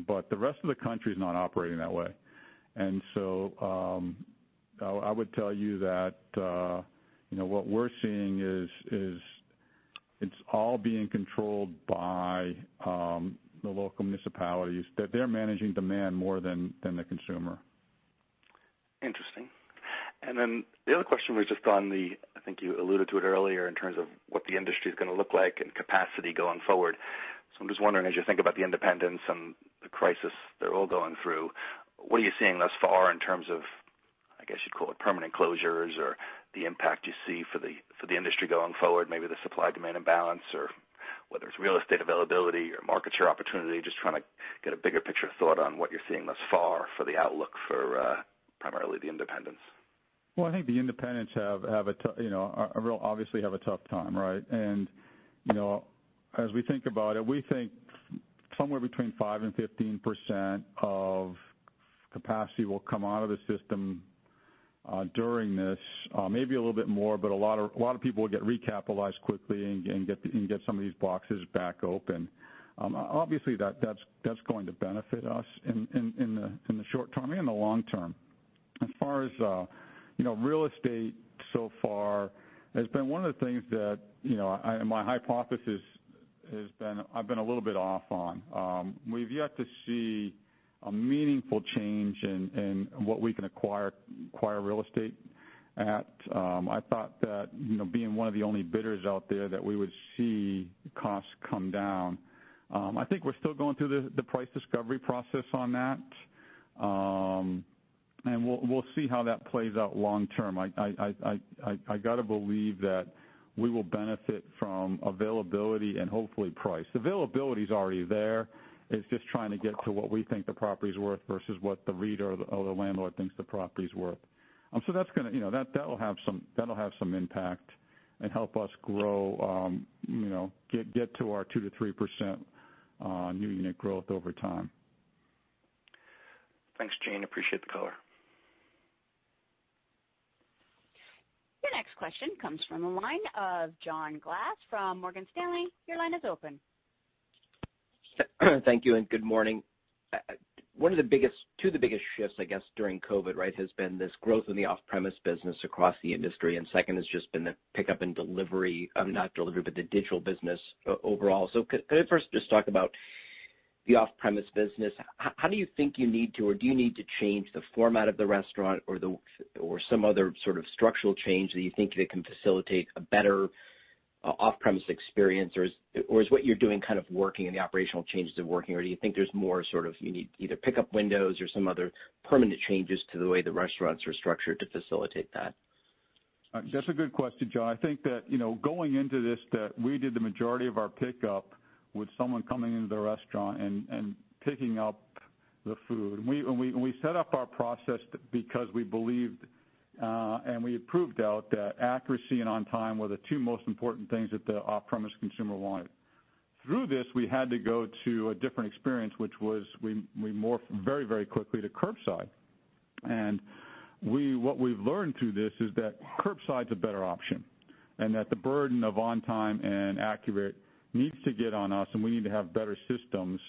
but the rest of the country is not operating that way. I would tell you that what we're seeing is it's all being controlled by the local municipalities. They're managing demand more than the consumer. Interesting. The other question was just on the, I think you alluded to it earlier in terms of what the industry is going to look like and capacity going forward. I'm just wondering, as you think about the independents and the crisis they're all going through, what are you seeing thus far in terms of, I guess you'd call it, permanent closures or the impact you see for the industry going forward, maybe the supply-demand imbalance or whether it's real estate availability or market share opportunity? Just trying to get a bigger picture thought on what you're seeing thus far for the outlook for primarily the independents. I think the independents obviously have a tough time, right? As we think about it, we think somewhere between 5% and 15% of capacity will come out of the system during this, maybe a little bit more, but a lot of people will get recapitalized quickly and get some of these boxes back open. Obviously, that's going to benefit us in the short term and the long term. As far as real estate so far, it's been one of the things that my hypothesis has been I've been a little bit off on. We've yet to see a meaningful change in what we can acquire real estate at. I thought that being one of the only bidders out there that we would see costs come down. I think we're still going through the price discovery process on that, and we'll see how that plays out long term. I got to believe that we will benefit from availability and hopefully price. Availability is already there. It's just trying to get to what we think the property's worth versus what the reader or the landlord thinks the property's worth. That is going to have some impact and help us grow, get to our 2%-3% new unit growth over time. Thanks, Gene. Appreciate the color. Your next question comes from the line of John Glass from Morgan Stanley. Your line is open. Thank you and good morning. One of the biggest, two of the biggest shifts, I guess, during COVID, right, has been this growth in the off-premise business across the industry. The second has just been the pickup and delivery of, not delivery, but the digital business overall. Could I first just talk about the off-premise business? How do you think you need to, or do you need to, change the format of the restaurant or some other sort of structural change that you think can facilitate a better off-premise experience? Is what you're doing kind of working and the operational changes are working? Do you think there's more, sort of, you need either pickup windows or some other permanent changes to the way the restaurants are structured to facilitate that? That's a good question, John. I think that going into this, that we did the majority of our pickup with someone coming into the restaurant and picking up the food. We set up our process because we believed and we had proved out that accuracy and on time were the two most important things that the off-premise consumer wanted. Through this, we had to go to a different experience, which was we morphed very, very quickly to curbside. What we've learned through this is that curbside's a better option and that the burden of on-time and accurate needs to get on us, and we need to have better systems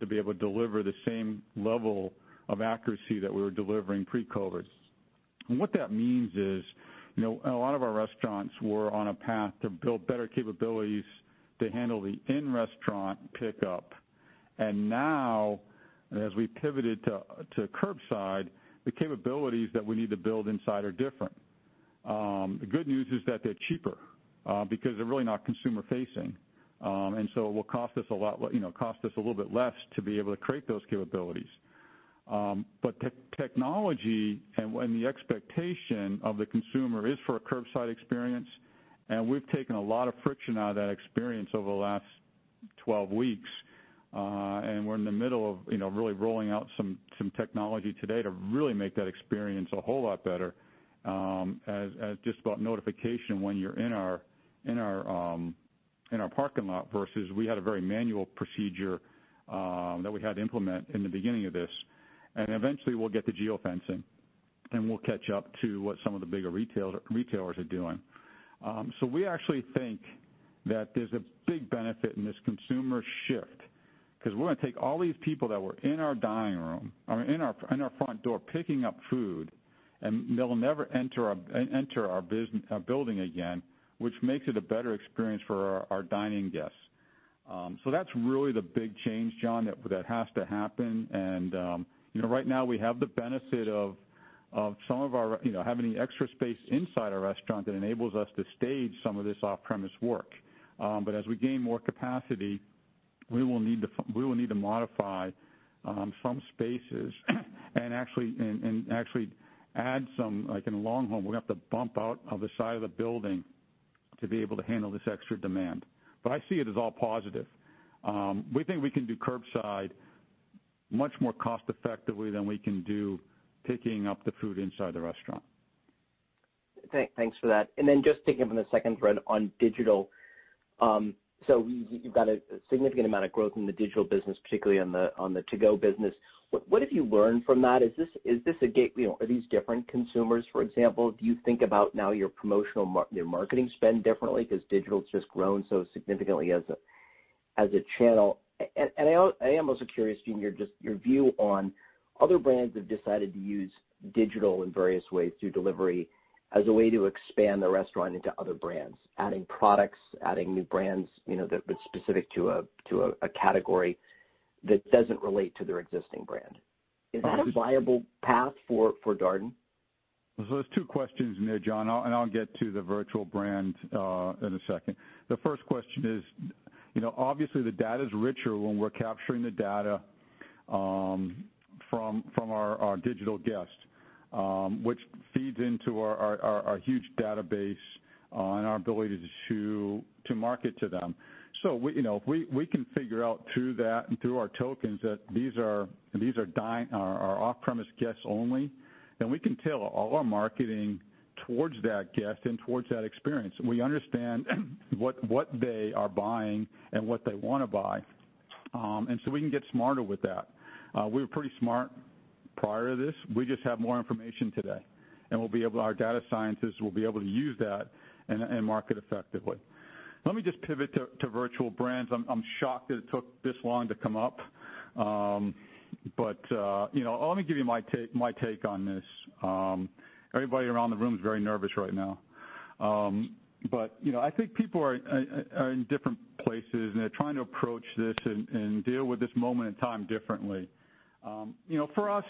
to be able to deliver the same level of accuracy that we were delivering pre-COVID. What that means is a lot of our restaurants were on a path to build better capabilities to handle the in-restaurant pickup. As we pivoted to curbside, the capabilities that we need to build inside are different. The good news is that they're cheaper because they're really not consumer-facing. It will cost us a little bit less to be able to create those capabilities. Technology and the expectation of the consumer is for a curbside experience. We have taken a lot of friction out of that experience over the last 12 weeks. We are in the middle of really rolling out some technology today to really make that experience a whole lot better as just about notification when you're in our parking lot versus we had a very manual procedure that we had to implement in the beginning of this. Eventually, we'll get the geofencing, and we'll catch up to what some of the bigger retailers are doing. We actually think that there's a big benefit in this consumer shift because we're going to take all these people that were in our dining room or in our front door picking up food, and they'll never enter our building again, which makes it a better experience for our dining guests. That's really the big change, John, that has to happen. Right now, we have the benefit of some of our having the extra space inside our restaurant that enables us to stage some of this off-premise work. As we gain more capacity, we will need to modify some spaces and actually add some. Like in a LongHorn, we're going to have to bump out of the side of the building to be able to handle this extra demand. I see it as all positive. We think we can do curbside much more cost-effectively than we can do picking up the food inside the restaurant. Thanks for that. Just taking up on the second thread on digital, you have got a significant amount of growth in the digital business, particularly on the to-go business. What have you learned from that? Is this a gate? Are these different consumers, for example? Do you think about now your promotional marketing spend differently because digital has just grown so significantly as a channel? I am also curious, Gene, your view on other brands that have decided to use digital in various ways through delivery as a way to expand the restaurant into other brands, adding products, adding new brands that are specific to a category that does not relate to their existing brand. Is that a viable path for Darden? There are two questions in there, John, and I'll get to the virtual brand in a second. The first question is, obviously, the data is richer when we're capturing the data from our digital guests, which feeds into our huge database and our ability to market to them. If we can figure out through that and through our tokens that these are our off-premise guests only, then we can tailor all our marketing towards that guest and towards that experience. We understand what they are buying and what they want to buy. We can get smarter with that. We were pretty smart prior to this. We just have more information today. Our data scientists will be able to use that and market effectively. Let me just pivot to virtual brands. I'm shocked that it took this long to come up. Let me give you my take on this. Everybody around the room is very nervous right now. I think people are in different places, and they're trying to approach this and deal with this moment in time differently. For us,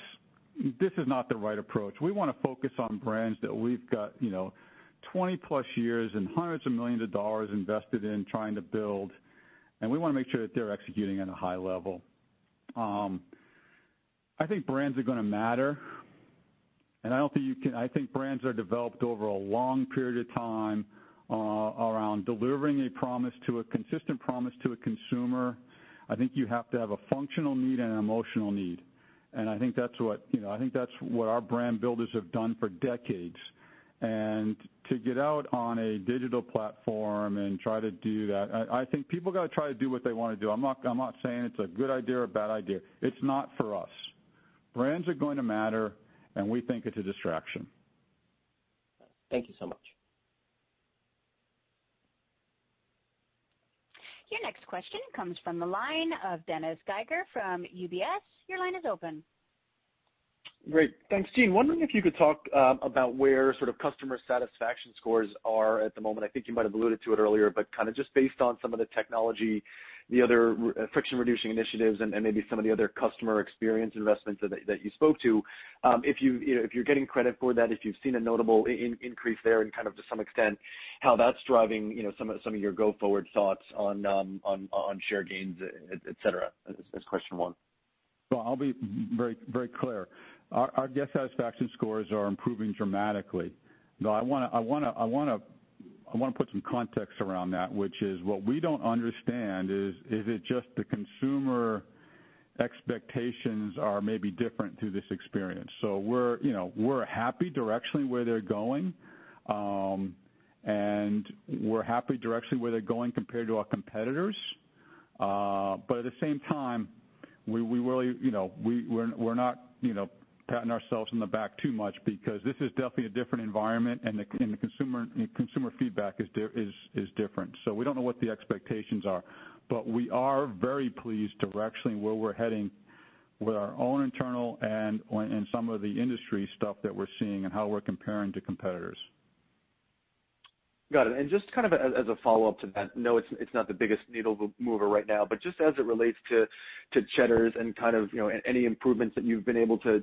this is not the right approach. We want to focus on brands that we've got 20+ years and hundreds of millions of dollars invested in trying to build, and we want to make sure that they're executing at a high level. I think brands are going to matter. I don't think you can—I think brands are developed over a long period of time around delivering a promise, a consistent promise to a consumer. I think you have to have a functional need and an emotional need. I think that's what our brand builders have done for decades. To get out on a digital platform and try to do that, I think people got to try to do what they want to do. I'm not saying it's a good idea or a bad idea. It's not for us. Brands are going to matter, and we think it's a distraction. Thank you so much. Your next question comes from the line of Dennis Geiger from UBS. Your line is open. Great. Thanks, Gene. Wondering if you could talk about where sort of customer satisfaction scores are at the moment. I think you might have alluded to it earlier, but kind of just based on some of the technology, the other friction-reducing initiatives, and maybe some of the other customer experience investments that you spoke to, if you're getting credit for that, if you've seen a notable increase there and kind of to some extent how that's driving some of your go-forward thoughts on share gains, etc., is question one. I'll be very clear. Our guest satisfaction scores are improving dramatically. I want to put some context around that, which is what we don't understand is if it's just the consumer expectations are maybe different through this experience. We're happy directionally where they're going, and we're happy directionally where they're going compared to our competitors. At the same time, we really we're not patting ourselves on the back too much because this is definitely a different environment, and the consumer feedback is different. We don't know what the expectations are, but we are very pleased directionally where we're heading with our own internal and some of the industry stuff that we're seeing and how we're comparing to competitors. Got it. Just kind of as a follow-up to that, no, it's not the biggest needle mover right now, but just as it relates to Cheddar's and kind of any improvements that you've been able to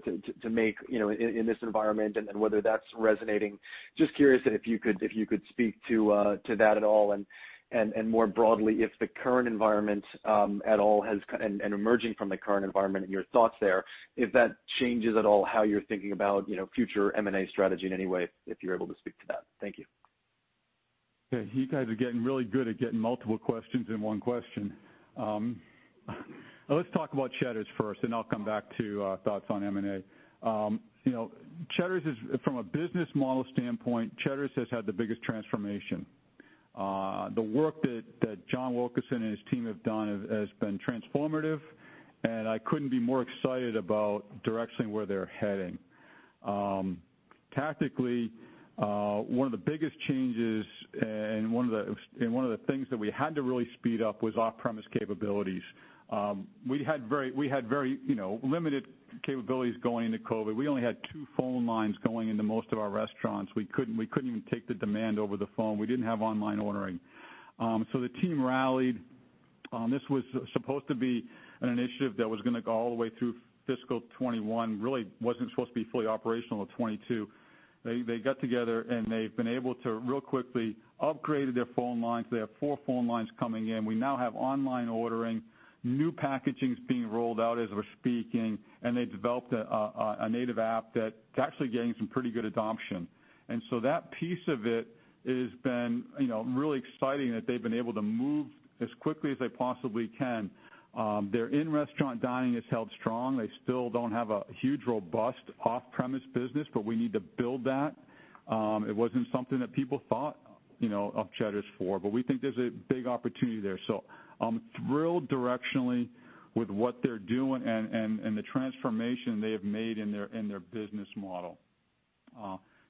make in this environment and whether that's resonating. Just curious if you could speak to that at all. More broadly, if the current environment at all has, and emerging from the current environment and your thoughts there, if that changes at all how you're thinking about future M&A strategy in any way, if you're able to speak to that. Thank you. Okay. You guys are getting really good at getting multiple questions in one question. Let's talk about Cheddar's first, and I'll come back to thoughts on M&A. Cheddar's, from a business model standpoint, Cheddar's has had the biggest transformation. The work that John Wilkerson and his team have done has been transformative, and I couldn't be more excited about directionally where they're heading. Tactically, one of the biggest changes and one of the things that we had to really speed up was off-premise capabilities. We had very limited capabilities going into COVID. We only had two phone lines going into most of our restaurants. We couldn't even take the demand over the phone. We didn't have online ordering. The team rallied. This was supposed to be an initiative that was going to go all the way through fiscal 2021, really wasn't supposed to be fully operational in 2022. They got together, and they've been able to real quickly upgrade their phone lines. They have four phone lines coming in. We now have online ordering, new packaging is being rolled out as we're speaking, and they developed a native app that's actually getting some pretty good adoption. That piece of it has been really exciting that they've been able to move as quickly as they possibly can. Their in-restaurant dining has held strong. They still don't have a huge robust off-premise business, but we need to build that. It wasn't something that people thought of Cheddar's for, but we think there's a big opportunity there. I'm thrilled directionally with what they're doing and the transformation they have made in their business model.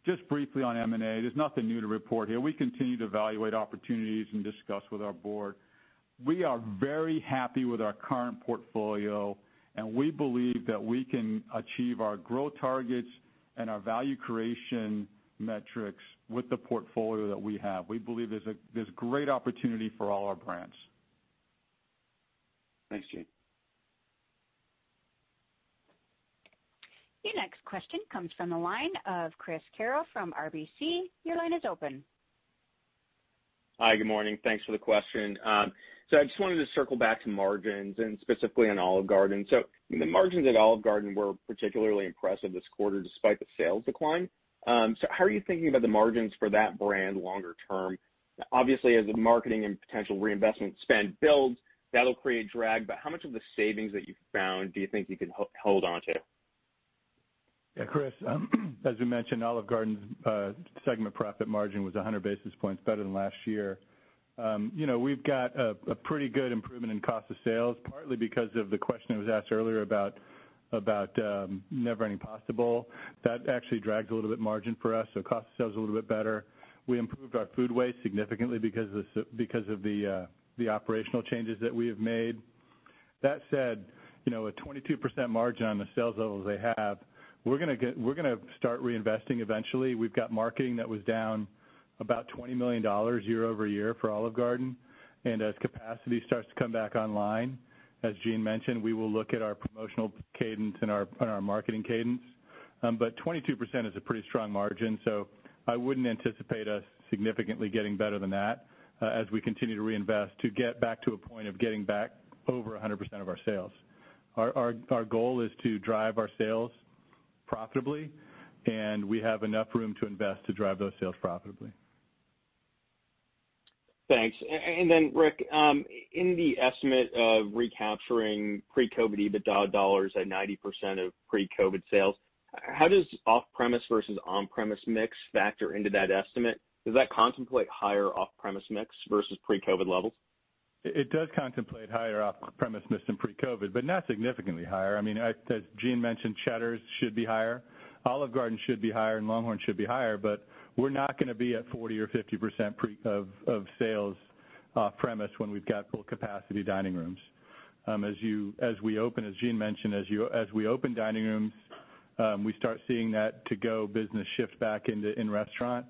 Just briefly on M&A, there's nothing new to report here. We continue to evaluate opportunities and discuss with our board. We are very happy with our current portfolio, and we believe that we can achieve our growth targets and our value creation metrics with the portfolio that we have. We believe there's great opportunity for all our brands. Thanks, Gene. Your next question comes from the line of Chris Carroll from RBC. Your line is open. Hi, good morning. Thanks for the question. I just wanted to circle back to margins and specifically on Olive Garden. The margins at Olive Garden were particularly impressive this quarter despite the sales decline. How are you thinking about the margins for that brand longer term? Obviously, as the marketing and potential reinvestment spend builds, that'll create drag, but how much of the savings that you found do you think you can hold on to? Yeah, Chris, as we mentioned, Olive Garden's segment profit margin was 100 basis points better than last year. We've got a pretty good improvement in cost of sales, partly because of the question that was asked earlier about never any possible. That actually drags a little bit margin for us. Cost of sales is a little bit better. We improved our food waste significantly because of the operational changes that we have made. That said, a 22% margin on the sales levels they have. We're going to start reinvesting eventually. We've got marketing that was down about $20 million year over year for Olive Garden. As capacity starts to come back online, as Gene mentioned, we will look at our promotional cadence and our marketing cadence. 22% is a pretty strong margin, so I wouldn't anticipate us significantly getting better than that as we continue to reinvest to get back to a point of getting back over 100% of our sales. Our goal is to drive our sales profitably, and we have enough room to invest to drive those sales profitably. Thanks. Rick, in the estimate of recapturing pre-COVID EBITDA dollars at 90% of pre-COVID sales, how does off-premise versus on-premise mix factor into that estimate? Does that contemplate higher off-premise mix versus pre-COVID levels? It does contemplate higher off-premise mix than pre-COVID, but not significantly higher. I mean, as Gene mentioned, Cheddar's should be higher. Olive Garden should be higher, and LongHorn should be higher, but we're not going to be at 40% or 50% of sales off-premise when we've got full capacity dining rooms. As we open, as Gene mentioned, as we open dining rooms, we start seeing that to-go business shift back into in-restaurant.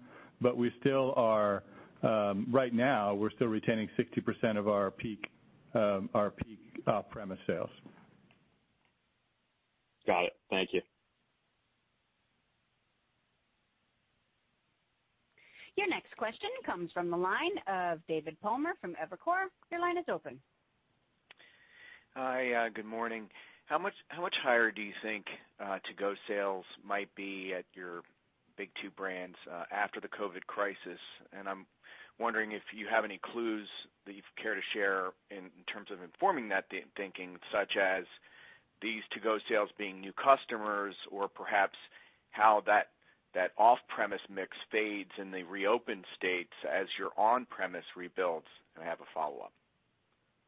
We still are right now, we're still retaining 60% of our peak off-premise sales. Got it. Thank you. Your next question comes from the line of David Palmer from Evercore. Your line is open. Hi, good morning. How much higher do you think to-go sales might be at your big two brands after the COVID crisis? I am wondering if you have any clues that you care to share in terms of informing that thinking, such as these to-go sales being new customers or perhaps how that off-premise mix fades in the reopen states as your on-premise rebuilds? I have a follow-up.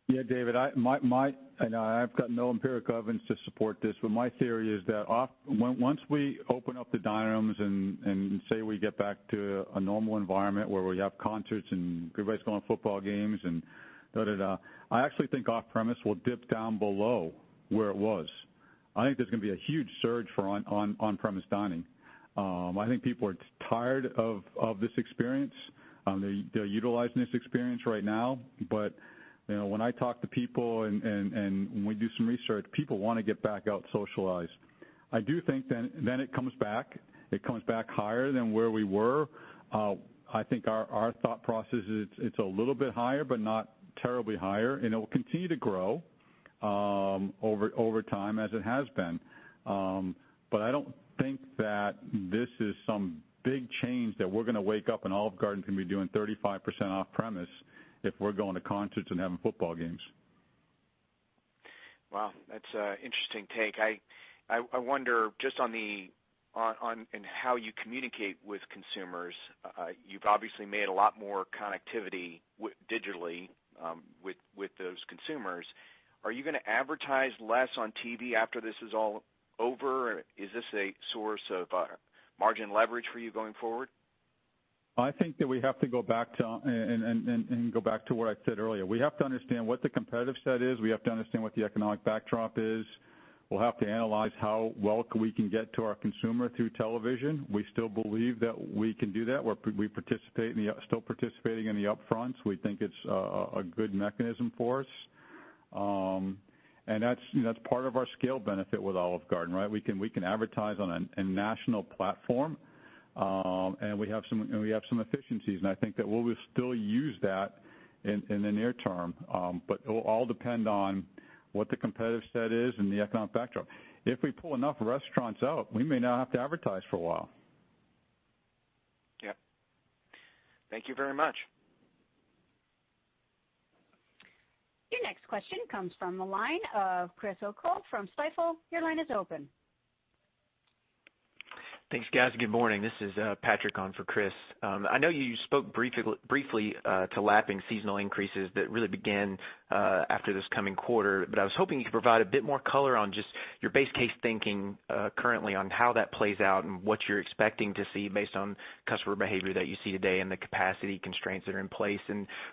Yeah, David, I know I've got no empiric evidence to support this, but my theory is that once we open up the dining rooms and say we get back to a normal environment where we have concerts and everybody's going to football games and da-da-da, I actually think off-premise will dip down below where it was. I think there's going to be a huge surge for on-premise dining. I think people are tired of this experience. They're utilizing this experience right now. When I talk to people and when we do some research, people want to get back out socialized. I do think then it comes back. It comes back higher than where we were. I think our thought process is it's a little bit higher, but not terribly higher. It will continue to grow over time as it has been. I do not think that this is some big change that we are going to wake up and Olive Garden can be doing 35% off-premise if we are going to concerts and having football games. Wow, that's an interesting take. I wonder just on how you communicate with consumers. You've obviously made a lot more connectivity digitally with those consumers. Are you going to advertise less on TV after this is all over? Is this a source of margin leverage for you going forward? I think that we have to go back to and go back to what I said earlier. We have to understand what the competitive set is. We have to understand what the economic backdrop is. We'll have to analyze how well we can get to our consumer through television. We still believe that we can do that. We're still participating in the upfronts. We think it's a good mechanism for us. That's part of our scale benefit with Olive Garden, right? We can advertise on a national platform, and we have some efficiencies. I think that we'll still use that in the near term, but it will all depend on what the competitive set is and the economic backdrop. If we pull enough restaurants out, we may not have to advertise for a while. Yep. Thank you very much. Your next question comes from the line of Chris O'Cull from Stifel. Your line is open. Thanks, guys. Good morning. This is Patrick on for Chris. I know you spoke briefly to lapping seasonal increases that really began after this coming quarter, but I was hoping you could provide a bit more color on just your base case thinking currently on how that plays out and what you're expecting to see based on customer behavior that you see today and the capacity constraints that are in place.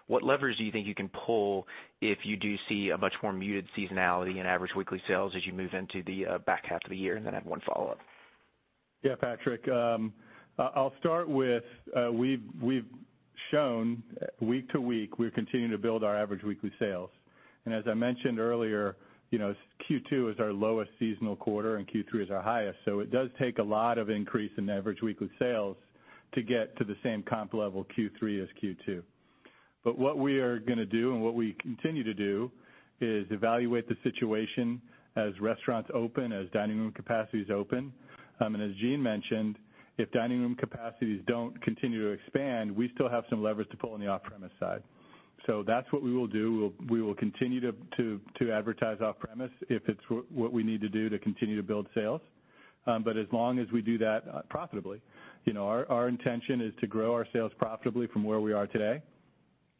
What levers do you think you can pull if you do see a much more muted seasonality and average weekly sales as you move into the back half of the year? I have one follow-up. Yeah, Patrick. I'll start with we've shown week to week we're continuing to build our average weekly sales. As I mentioned earlier, Q2 is our lowest seasonal quarter, and Q3 is our highest. It does take a lot of increase in average weekly sales to get to the same comp level Q3 as Q2. What we are going to do and what we continue to do is evaluate the situation as restaurants open, as dining room capacities open. As Gene mentioned, if dining room capacities do not continue to expand, we still have some levers to pull on the off-premise side. That is what we will do. We will continue to advertise off-premise if it is what we need to do to continue to build sales. As long as we do that profitably, our intention is to grow our sales profitably from where we are today.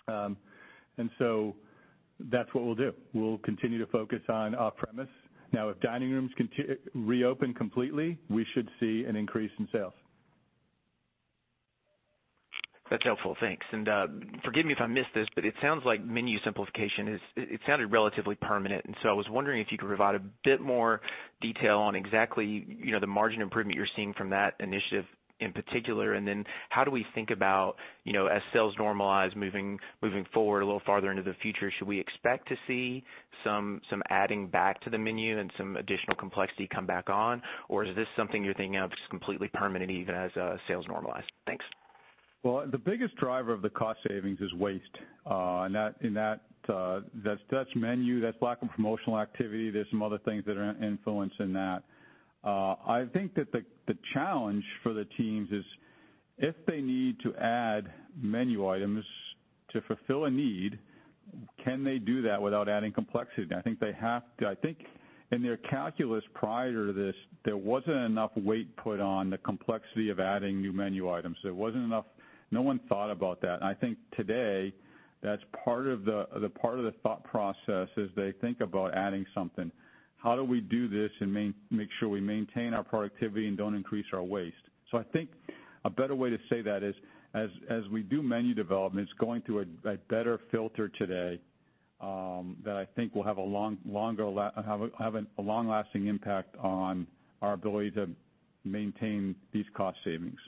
That's what we'll do. We'll continue to focus on off-premise. Now, if dining rooms reopen completely, we should see an increase in sales. That's helpful. Thanks. Forgive me if I missed this, but it sounds like menu simplification is, it sounded, relatively permanent. I was wondering if you could provide a bit more detail on exactly the margin improvement you're seeing from that initiative in particular. How do we think about as sales normalize moving forward a little farther into the future? Should we expect to see some adding back to the menu and some additional complexity come back on? Or is this something you're thinking of as completely permanent even as sales normalize? Thanks. The biggest driver of the cost savings is waste. That is menu. That is lack of promotional activity. There are some other things that are influencing that. I think that the challenge for the teams is if they need to add menu items to fulfill a need, can they do that without adding complexity? I think they have to. I think in their calculus prior to this, there was not enough weight put on the complexity of adding new menu items. There was not enough. No one thought about that. I think today that is part of the thought process as they think about adding something. How do we do this and make sure we maintain our productivity and do not increase our waste? I think a better way to say that is as we do menu development, it's going through a better filter today that I think will have a long-lasting impact on our ability to maintain these cost savings.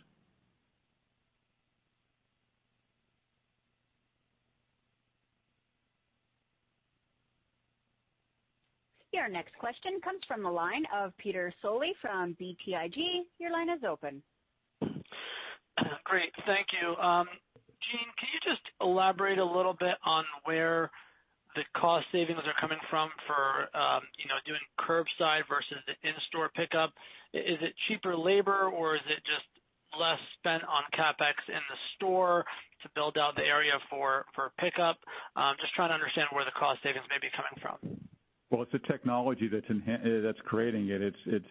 Your next question comes from the line of Peter Soly from BTIG. Your line is open. Great. Thank you. Gene, can you just elaborate a little bit on where the cost savings are coming from for doing curbside versus the in-store pickup? Is it cheaper labor, or is it just less spent on CapEx in the store to build out the area for pickup? Just trying to understand where the cost savings may be coming from. It's a technology that's creating it. It's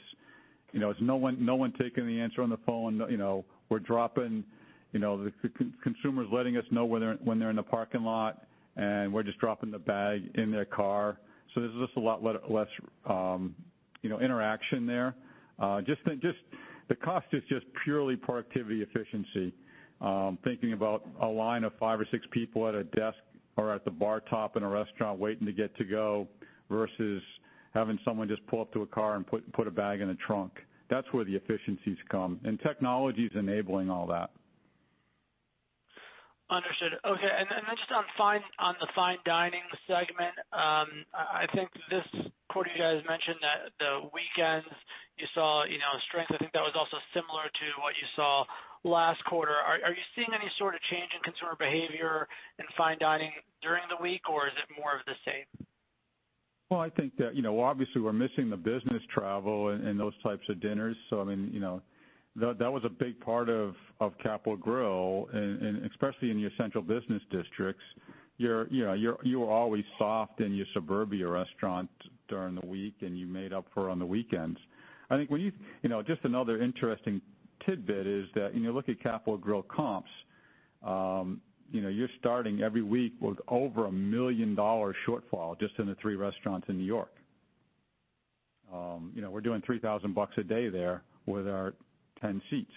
no one taking the answer on the phone. We're dropping, the consumer's letting us know when they're in the parking lot, and we're just dropping the bag in their car. There's just a lot less interaction there. Just the cost is just purely productivity efficiency. Thinking about a line of five or six people at a desk or at the bar top in a restaurant waiting to get to go versus having someone just pull up to a car and put a bag in a trunk. That's where the efficiencies come. Technology is enabling all that. Understood. Okay. Just on the fine dining segment, I think this quarter, you guys mentioned that the weekends you saw strength. I think that was also similar to what you saw last quarter. Are you seeing any sort of change in consumer behavior in fine dining during the week, or is it more of the same? I think that obviously we're missing the business travel and those types of dinners. I mean, that was a big part of The Capital Grille, and especially in your central business districts. You were always soft in your suburbia restaurant during the week, and you made up for it on the weekends. I think just another interesting tidbit is that when you look at The Capital Grille comps, you're starting every week with over a $1 million shortfall just in the three restaurants in New York. We're doing $3,000 a day there with our 10 seats.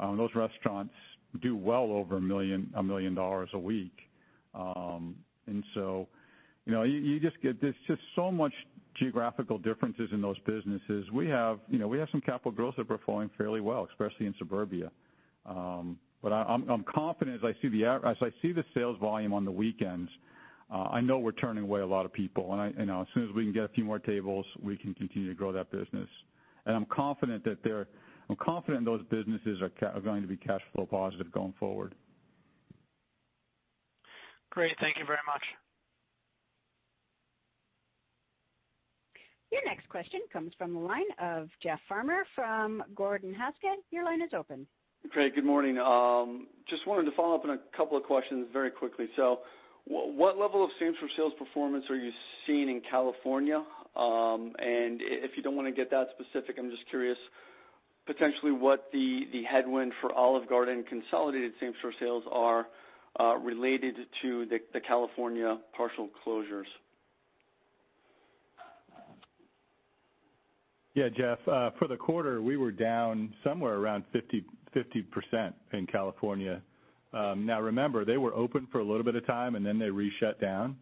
Those restaurants do well over $1 million a week. You just get there's just so much geographical differences in those businesses. We have some Capital Grilles that are performing fairly well, especially in suburbia. I'm confident as I see the sales volume on the weekends, I know we're turning away a lot of people. As soon as we can get a few more tables, we can continue to grow that business. I'm confident those businesses are going to be cash flow positive going forward. Great. Thank you very much. Your next question comes from the line of Jeff Farmer from Gordon Haskett. Your line is open. Great. Good morning. Just wanted to follow up on a couple of questions very quickly. What level of same-store sales performance are you seeing in California? If you do not want to get that specific, I am just curious potentially what the headwind for Olive Garden consolidated same-store sales are related to the California partial closures. Yeah, Jeff, for the quarter, we were down somewhere around 50% in California. Now, remember, they were open for a little bit of time, and then they reshut down.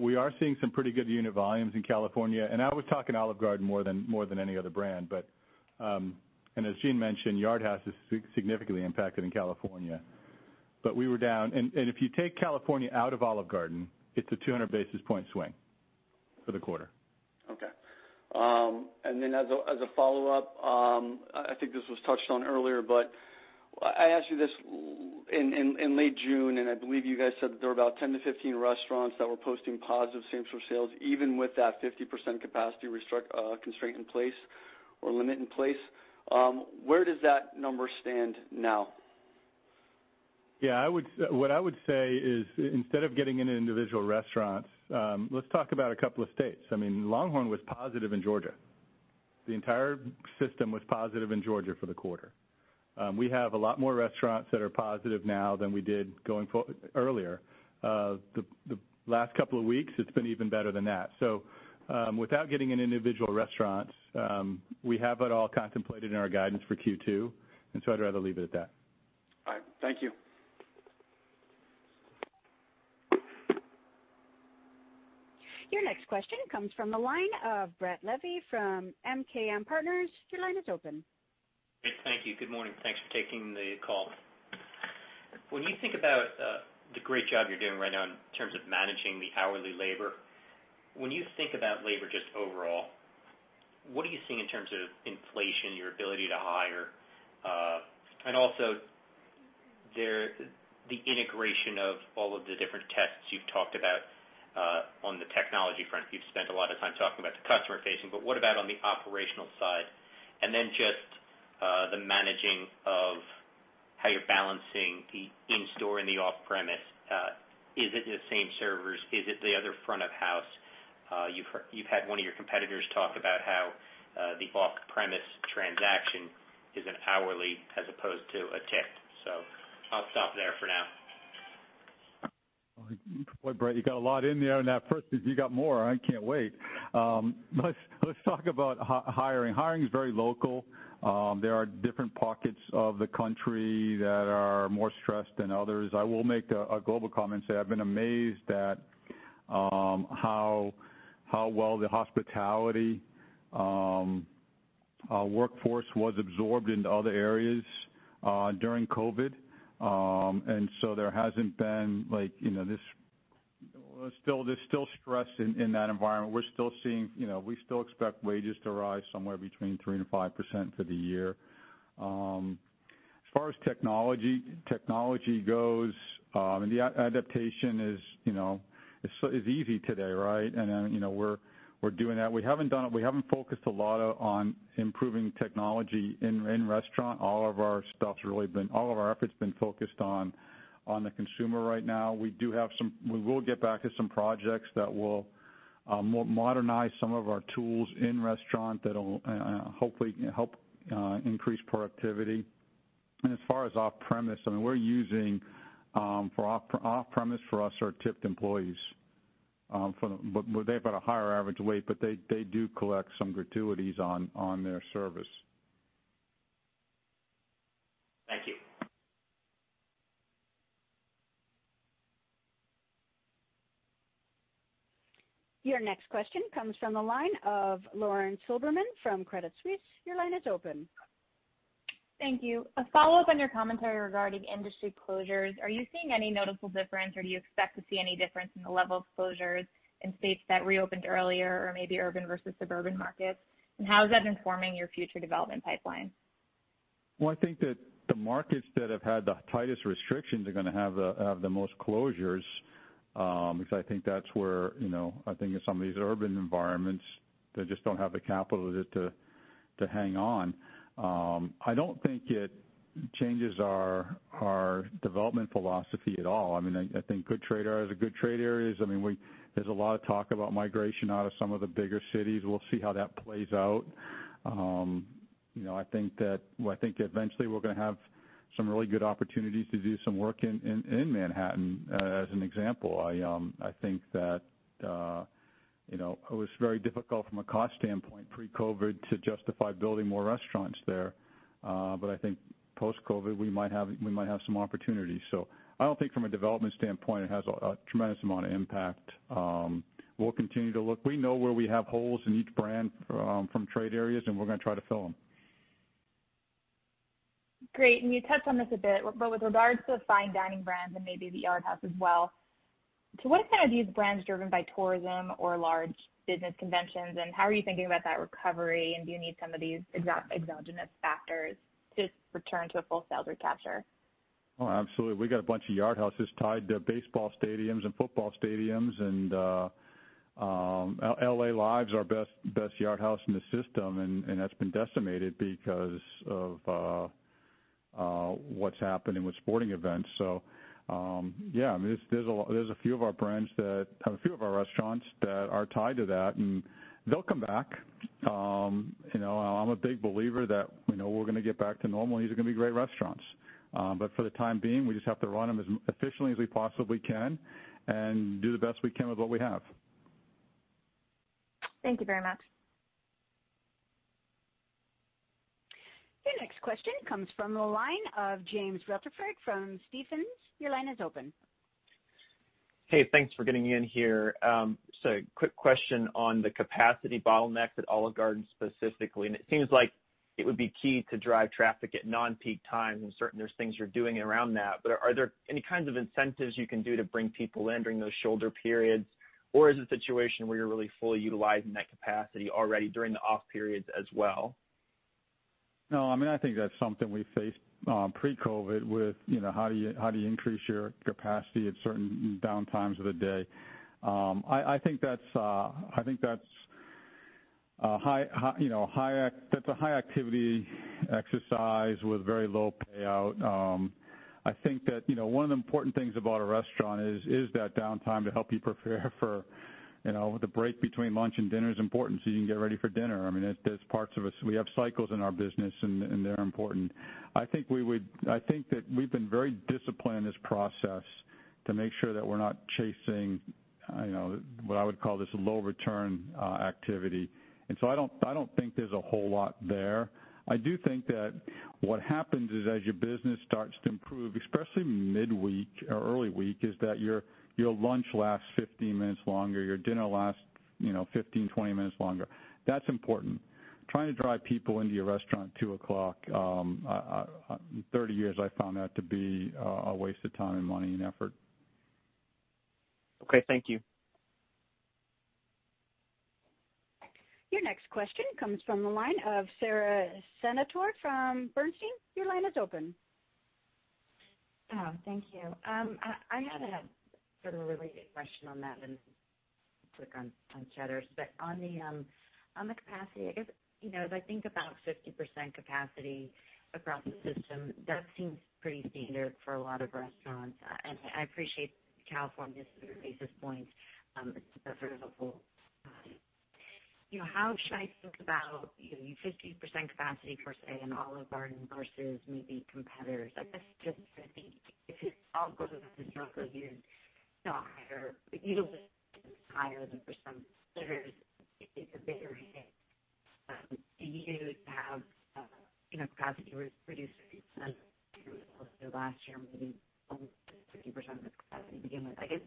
We are seeing some pretty good unit volumes in California. I was talking Olive Garden more than any other brand. As Gene mentioned, Yard House is significantly impacted in California. We were down. If you take California out of Olive Garden, it's a 200 basis point swing for the quarter. Okay. As a follow-up, I think this was touched on earlier, but I asked you this in late June, and I believe you guys said that there were about 10-15 restaurants that were posting positive same-store sales even with that 50% capacity constraint in place or limit in place. Where does that number stand now? Yeah. What I would say is instead of getting into individual restaurants, let's talk about a couple of states. I mean, LongHorn was positive in Georgia. The entire system was positive in Georgia for the quarter. We have a lot more restaurants that are positive now than we did earlier. The last couple of weeks, it's been even better than that. Without getting into individual restaurants, we have it all contemplated in our guidance for Q2. I'd rather leave it at that. All right. Thank you. Your next question comes from the line of Brett Levy from MKM Partners. Your line is open. Great. Thank you. Good morning. Thanks for taking the call. When you think about the great job you're doing right now in terms of managing the hourly labor, when you think about labor just overall, what are you seeing in terms of inflation, your ability to hire, and also the integration of all of the different tests you've talked about on the technology front? You've spent a lot of time talking about the customer-facing, but what about on the operational side? Then just the managing of how you're balancing the in-store and the off-premise. Is it the same servers? Is it the other front of house? You've had one of your competitors talk about how the off-premise transaction is an hourly as opposed to a tick. I'll stop there for now. Boy, Brett, you got a lot in there. That first is you got more. I can't wait. Let's talk about hiring. Hiring is very local. There are different pockets of the country that are more stressed than others. I will make a global comment and say I've been amazed at how well the hospitality workforce was absorbed into other areas during COVID. There hasn't been this there's still stress in that environment. We're still seeing we still expect wages to rise somewhere between 3% and 5% for the year. As far as technology goes, the adaptation is easy today, right? We're doing that. We haven't focused a lot on improving technology in restaurant. All of our stuff's really been all of our efforts have been focused on the consumer right now. We do have some, we will get back to some projects that will modernize some of our tools in restaurant that'll hopefully help increase productivity. As far as off-premise, I mean, we're using for off-premise for us are tipped employees. They've got a higher average weight, but they do collect some gratuities on their service. Thank you. Your next question comes from the line of Lauren Silberman from Credit Suisse. Your line is open. Thank you. A follow-up on your commentary regarding industry closures. Are you seeing any noticeable difference, or do you expect to see any difference in the level of closures in states that reopened earlier or maybe urban versus suburban markets? How is that informing your future development pipeline? I think that the markets that have had the tightest restrictions are going to have the most closures because I think that's where I think in some of these urban environments, they just don't have the capital to hang on. I don't think it changes our development philosophy at all. I mean, I think good trade areas are good trade areas. I mean, there's a lot of talk about migration out of some of the bigger cities. We'll see how that plays out. I think that eventually we're going to have some really good opportunities to do some work in Manhattan as an example. I think that it was very difficult from a cost standpoint pre-COVID to justify building more restaurants there. I think post-COVID, we might have some opportunities. I don't think from a development standpoint, it has a tremendous amount of impact. We'll continue to look. We know where we have holes in each brand from trade areas, and we're going to try to fill them. Great. You touched on this a bit, but with regards to fine dining brands and maybe the Yard House as well, to what extent are these brands driven by tourism or large business conventions? How are you thinking about that recovery? Do you need some of these exogenous factors to return to a full sales recapture? Oh, absolutely. We've got a bunch of Yard Houses tied to baseball stadiums and football stadiums. LA Live's our best Yard House in the system, and that's been decimated because of what's happened with sporting events. Yeah, I mean, there's a few of our brands that have a few of our restaurants that are tied to that, and they'll come back. I'm a big believer that we're going to get back to normal, and these are going to be great restaurants. For the time being, we just have to run them as efficiently as we possibly can and do the best we can with what we have. Thank you very much. Your next question comes from the line of James Rutherford from Stephens. Your line is open. Hey, thanks for getting in here. A quick question on the capacity bottlenecks at Olive Garden specifically. It seems like it would be key to drive traffic at non-peak times. I'm certain there's things you're doing around that. Are there any kinds of incentives you can do to bring people in during those shoulder periods? Is it a situation where you're really fully utilizing that capacity already during the off periods as well? No, I mean, I think that's something we faced pre-COVID with how do you increase your capacity at certain downtimes of the day. I think that's a high-activity exercise with very low payout. I think that one of the important things about a restaurant is that downtime to help you prepare for the break between lunch and dinner is important so you can get ready for dinner. I mean, there's parts of us we have cycles in our business, and they're important. I think we would, I think that we've been very disciplined in this process to make sure that we're not chasing what I would call this low-return activity. I do not think there's a whole lot there. I do think that what happens is as your business starts to improve, especially midweek or early week, is that your lunch lasts 15 minutes longer. Your dinner lasts 15, 20 minutes longer. That's important. Trying to drive people into your restaurant at 2 o'clock, 30 years, I found that to be a waste of time and money and effort. Okay. Thank you. Your next question comes from the line of Sara Senatore from Bernstein. Your line is open. Thank you. I had a sort of a related question on that and quick on Cheddar's. On the capacity, I guess as I think about 50% capacity across the system, that seems pretty standard for a lot of restaurants. I appreciate California's basis points. It's sort of a whole how should I think about your 50% capacity per se in Olive Garden versus maybe competitors? I guess just to think if it all goes up, it's not going to be a higher you'll just get higher than percent. It's a bigger hit. Do you have capacity reduced? Most of last year, maybe almost 50% of the capacity to begin with. I guess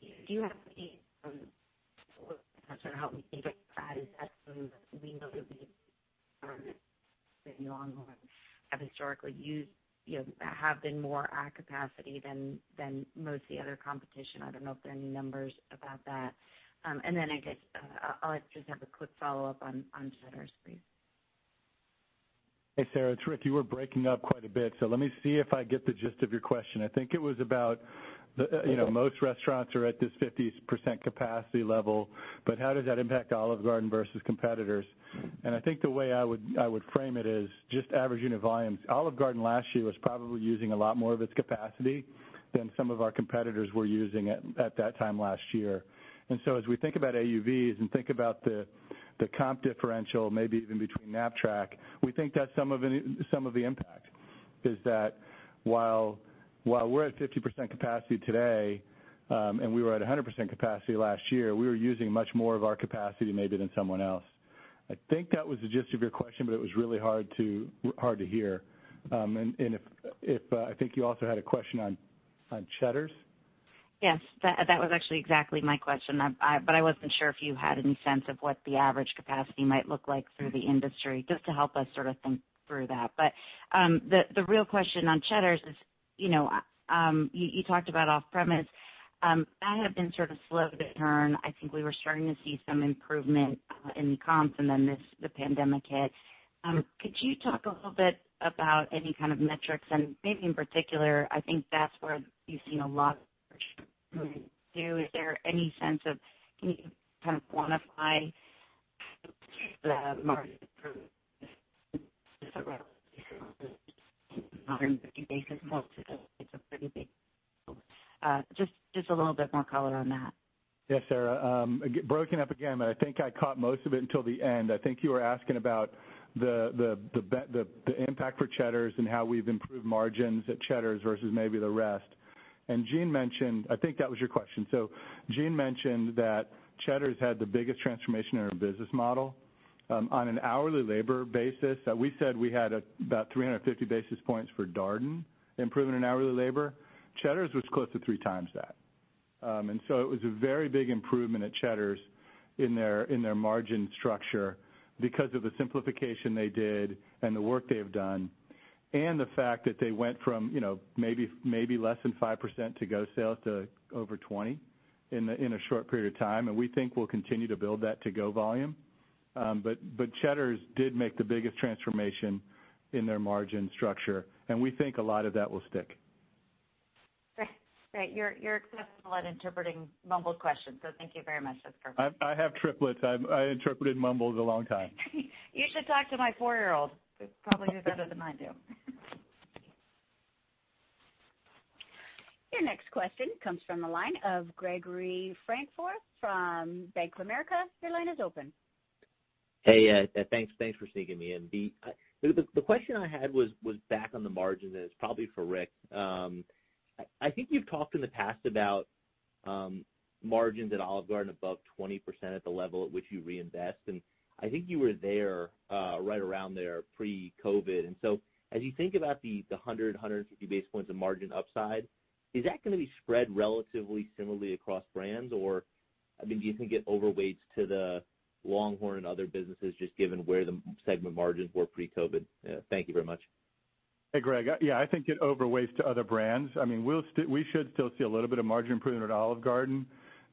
do you have any sort of help me think about that? Is that something that we know that we have been in LongHorn have historically used that have been more at capacity than most of the other competition? I don't know if there are any numbers about that. I guess I'll just have a quick follow-up on Cheddar's, please. Hey, Sarah. It's Rick. You were breaking up quite a bit. Let me see if I get the gist of your question. I think it was about most restaurants are at this 50% capacity level. How does that impact Olive Garden versus competitors? I think the way I would frame it is just average unit volumes. Olive Garden last year was probably using a lot more of its capacity than some of our competitors were using at that time last year. As we think about AUVs and think about the comp differential, maybe even between NAPTRAC, we think that's some of the impact is that while we're at 50% capacity today and we were at 100% capacity last year, we were using much more of our capacity maybe than someone else. I think that was the gist of your question, but it was really hard to hear. I think you also had a question on Cheddar's? Yes. That was actually exactly my question. I was not sure if you had any sense of what the average capacity might look like for the industry just to help us sort of think through that. The real question on Cheddar's is you talked about off-premise. That had been sort of slow to turn. I think we were starting to see some improvement in the comps, and then the pandemic hit. Could you talk a little bit about any kind of metrics? Maybe in particular, I think that is where you have seen a lot of improvement too. Is there any sense of can you kind of quantify the market improvement? It is a pretty big improvement. Just a little bit more color on that. Yes, Sarah. Broken up again, but I think I caught most of it until the end. I think you were asking about the impact for Cheddar's and how we've improved margins at Cheddar's versus maybe the rest. Gene mentioned I think that was your question. Gene mentioned that Cheddar's had the biggest transformation in our business model. On an hourly labor basis, we said we had about 350 basis points for Darden improvement in hourly labor. Cheddar's was close to three times that. It was a very big improvement at Cheddar's in their margin structure because of the simplification they did and the work they have done and the fact that they went from maybe less than 5% to go sales to over 20% in a short period of time. We think we'll continue to build that to go volume. Cheddar's did make the biggest transformation in their margin structure. We think a lot of that will stick. Right. You're exceptional at interpreting mumbled questions. Thank you very much. That's perfect. I have triplets. I interpreted mumbles a long time. You should talk to my four-year-old. He's probably heard better than I do. Your next question comes from the line of Gregory Frankfort from Bank of America. Your line is open. Hey, thanks for seeing me. The question I had was back on the margins. It's probably for Rick. I think you've talked in the past about margins at Olive Garden above 20% at the level at which you reinvest. I think you were there right around there pre-COVID. As you think about the 100-150 basis points of margin upside, is that going to be spread relatively similarly across brands? I mean, do you think it overweighs to the LongHorn and other businesses just given where the segment margins were pre-COVID? Thank you very much. Hey, Greg. Yeah, I think it overweighs to other brands. I mean, we should still see a little bit of margin improvement at Olive Garden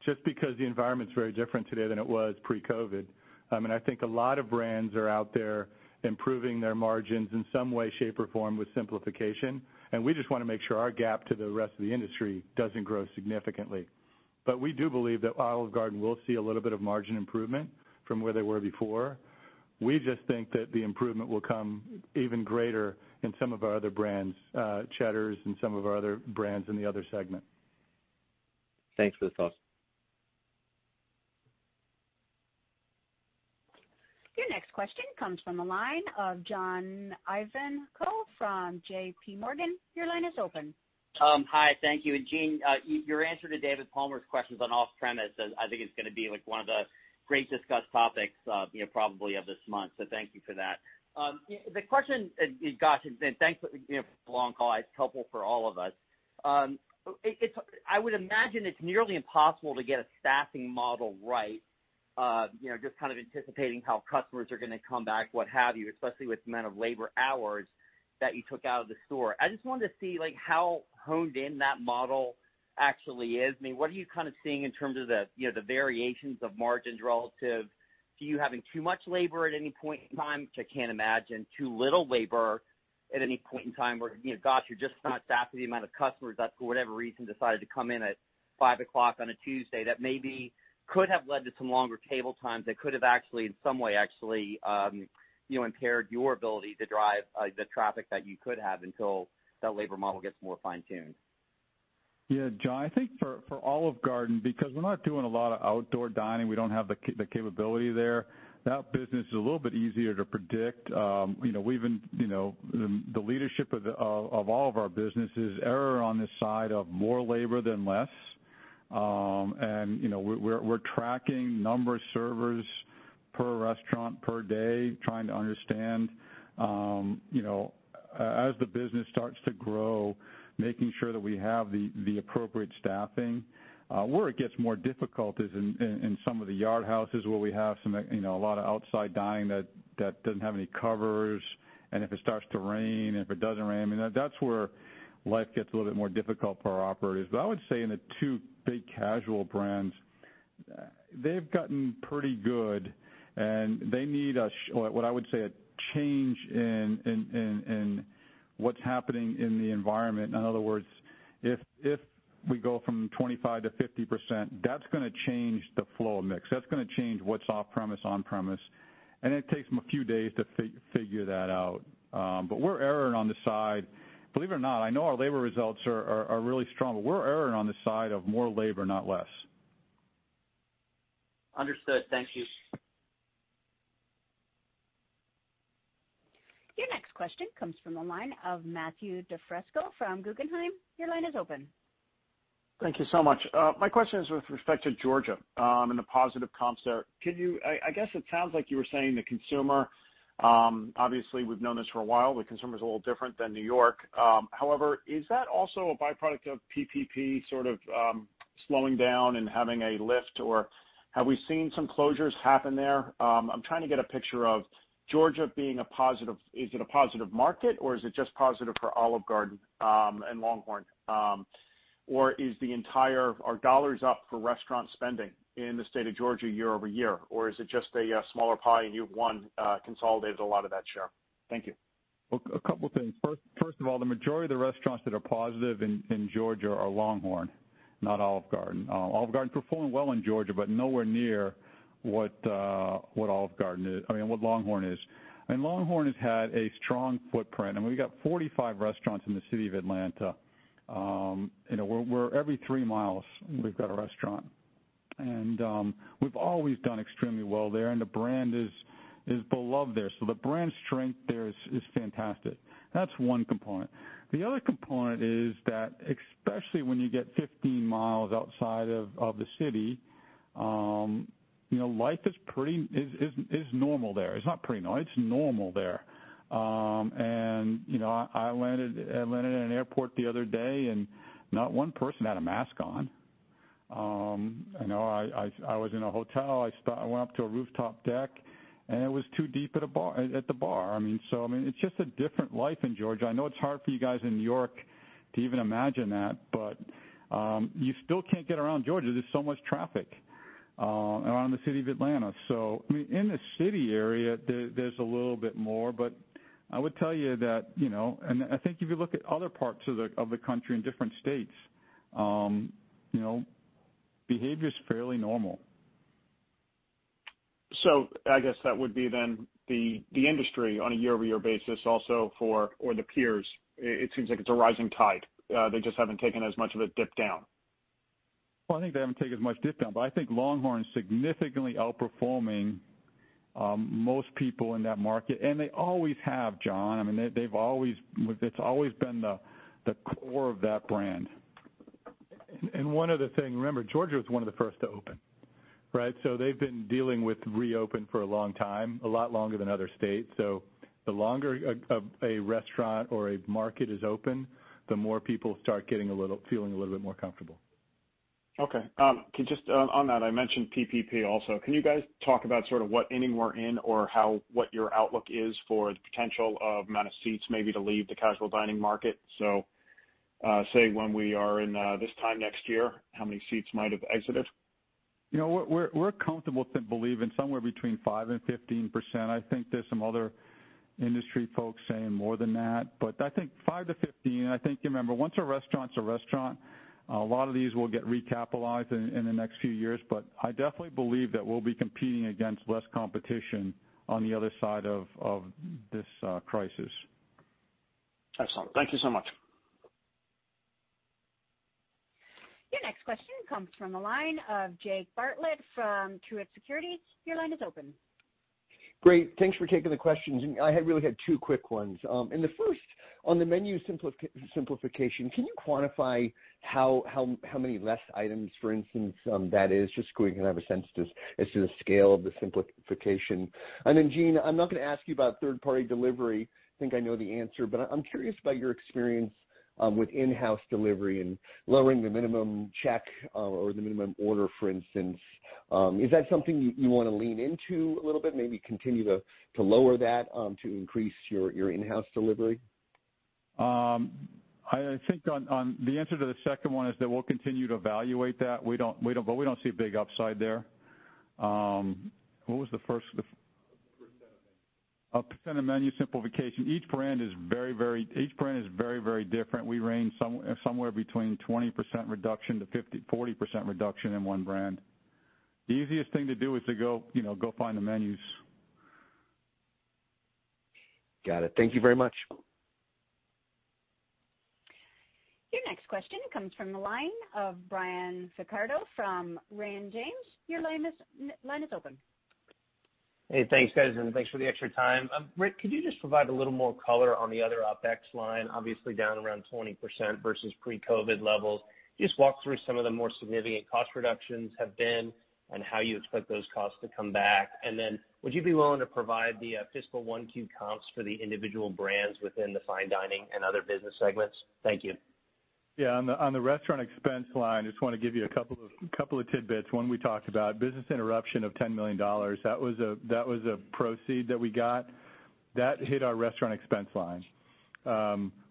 just because the environment's very different today than it was pre-COVID. I mean, I think a lot of brands are out there improving their margins in some way, shape, or form with simplification. We just want to make sure our gap to the rest of the industry doesn't grow significantly. We do believe that Olive Garden will see a little bit of margin improvement from where they were before. We just think that the improvement will come even greater in some of our other brands, Cheddar's, and some of our other brands in the other segment. Thanks for the thought. Your next question comes from the line of John Ivanko from JP Morgan. Your line is open. Hi. Thank you. Gene, your answer to David Palmer's questions on off-premise, I think it's going to be one of the great discussed topics probably of this month. Thank you for that. The question you got, and thanks for the long call. It's helpful for all of us. I would imagine it's nearly impossible to get a staffing model right just kind of anticipating how customers are going to come back, what have you, especially with the amount of labor hours that you took out of the store. I just wanted to see how honed in that model actually is. I mean, what are you kind of seeing in terms of the variations of margins relative to you having too much labor at any point in time? I can't imagine too little labor at any point in time where, gosh, you're just not staffing the amount of customers that for whatever reason decided to come in at 5:00 P.M. on a Tuesday that maybe could have led to some longer table times that could have actually in some way actually impaired your ability to drive the traffic that you could have until that labor model gets more fine-tuned. Yeah, John, I think for Olive Garden, because we're not doing a lot of outdoor dining, we don't have the capability there, that business is a little bit easier to predict. Even the leadership of all of our businesses err on the side of more labor than less. And we're tracking number of servers per restaurant per day, trying to understand as the business starts to grow, making sure that we have the appropriate staffing. Where it gets more difficult is in some of the Yard Houses where we have a lot of outside dining that doesn't have any covers. If it starts to rain, if it doesn't rain, I mean, that's where life gets a little bit more difficult for our operators. I would say in the two big casual brands, they've gotten pretty good. They need what I would say a change in what's happening in the environment. In other words, if we go from 25%-50%, that's going to change the flow mix. That's going to change what's off-premise, on-premise. It takes them a few days to figure that out. Believe it or not, I know our labor results are really strong, but we're erroring on the side of more labor, not less. Understood. Thank you. Your next question comes from the line of Matthew Defresco from Guggenheim. Your line is open. Thank you so much. My question is with respect to Georgia and the positive comps there. I guess it sounds like you were saying the consumer, obviously, we've known this for a while, the consumer is a little different than New York. However, is that also a byproduct of PPP sort of slowing down and having a lift? Or have we seen some closures happen there? I'm trying to get a picture of Georgia being a positive—is it a positive market, or is it just positive for Olive Garden and LongHorn? Or is the entire—are dollars up for restaurant spending in the state of Georgia year over year? Or is it just a smaller pie and you've one consolidated a lot of that share? Thank you. A couple of things. First of all, the majority of the restaurants that are positive in Georgia are LongHorn, not Olive Garden. Olive Garden's performing well in Georgia, but nowhere near what LongHorn is. LongHorn has had a strong footprint. I mean, we've got 45 restaurants in the city of Atlanta. Every three miles we've got a restaurant. We've always done extremely well there. The brand is beloved there. The brand strength there is fantastic. That's one component. The other component is that especially when you get 15 miles outside of the city, life is normal there. It's not pretty normal. It's normal there. I landed at an airport the other day, and not one person had a mask on. I was in a hotel. I went up to a rooftop deck, and it was too deep at the bar. I mean, it's just a different life in Georgia. I know it's hard for you guys in New York to even imagine that, but you still can't get around Georgia. There's so much traffic around the city of Atlanta. I mean, in the city area, there's a little bit more. I would tell you that—I think if you look at other parts of the country in different states, behavior's fairly normal. I guess that would be then the industry on a year-over-year basis also for—or the peers. It seems like it's a rising tide. They just haven't taken as much of a dip down. I think they haven't taken as much dip down. I think LongHorn's significantly outperforming most people in that market. I mean, it's always been the core of that brand. One other thing. Remember, Georgia was one of the first to open, right? They've been dealing with reopen for a long time, a lot longer than other states. The longer a restaurant or a market is open, the more people start feeling a little bit more comfortable. Okay. Just on that, I mentioned PPP also. Can you guys talk about sort of what ending we're in or what your outlook is for the potential of amount of seats maybe to leave the casual dining market? Say when we are in this time next year, how many seats might have exited? We're comfortable to believe in somewhere between 5% and 15%. I think there's some other industry folks saying more than that. I think 5%-15%, I think remember, once a restaurant's a restaurant, a lot of these will get recapitalized in the next few years. I definitely believe that we'll be competing against less competition on the other side of this crisis. Excellent. Thank you so much. Your next question comes from the line of Jake Bartlett from Truist Securities. Your line is open. Great. Thanks for taking the questions. I really had two quick ones. The first, on the menu simplification, can you quantify how many less items, for instance, that is? Just so we can have a sense as to the scale of the simplification. Gene, I'm not going to ask you about third-party delivery. I think I know the answer. I'm curious about your experience with in-house delivery and lowering the minimum check or the minimum order, for instance. Is that something you want to lean into a little bit, maybe continue to lower that to increase your in-house delivery? I think the answer to the second one is that we'll continue to evaluate that. We don't see a big upside there. What was the first? A percent of menu. A percent of menu simplification. Each brand is very, very different. We range somewhere between 20% reduction to 40% reduction in one brand. The easiest thing to do is to go find the menus. Got it. Thank you very much. Your next question comes from the line of Brian Michael Vaccaro from Raymond James. Your line is open. Hey, thanks, guys. Thanks for the extra time. Rick, could you just provide a little more color on the other OPEX line, obviously down around 20% versus pre-COVID levels? Just walk through some of the more significant cost reductions have been and how you expect those costs to come back. Would you be willing to provide the fiscal one-cu comps for the individual brands within the fine dining and other business segments? Thank you. Yeah. On the restaurant expense line, I just want to give you a couple of tidbits. One we talked about, business interruption of $10 million. That was a proceed that we got. That hit our restaurant expense line.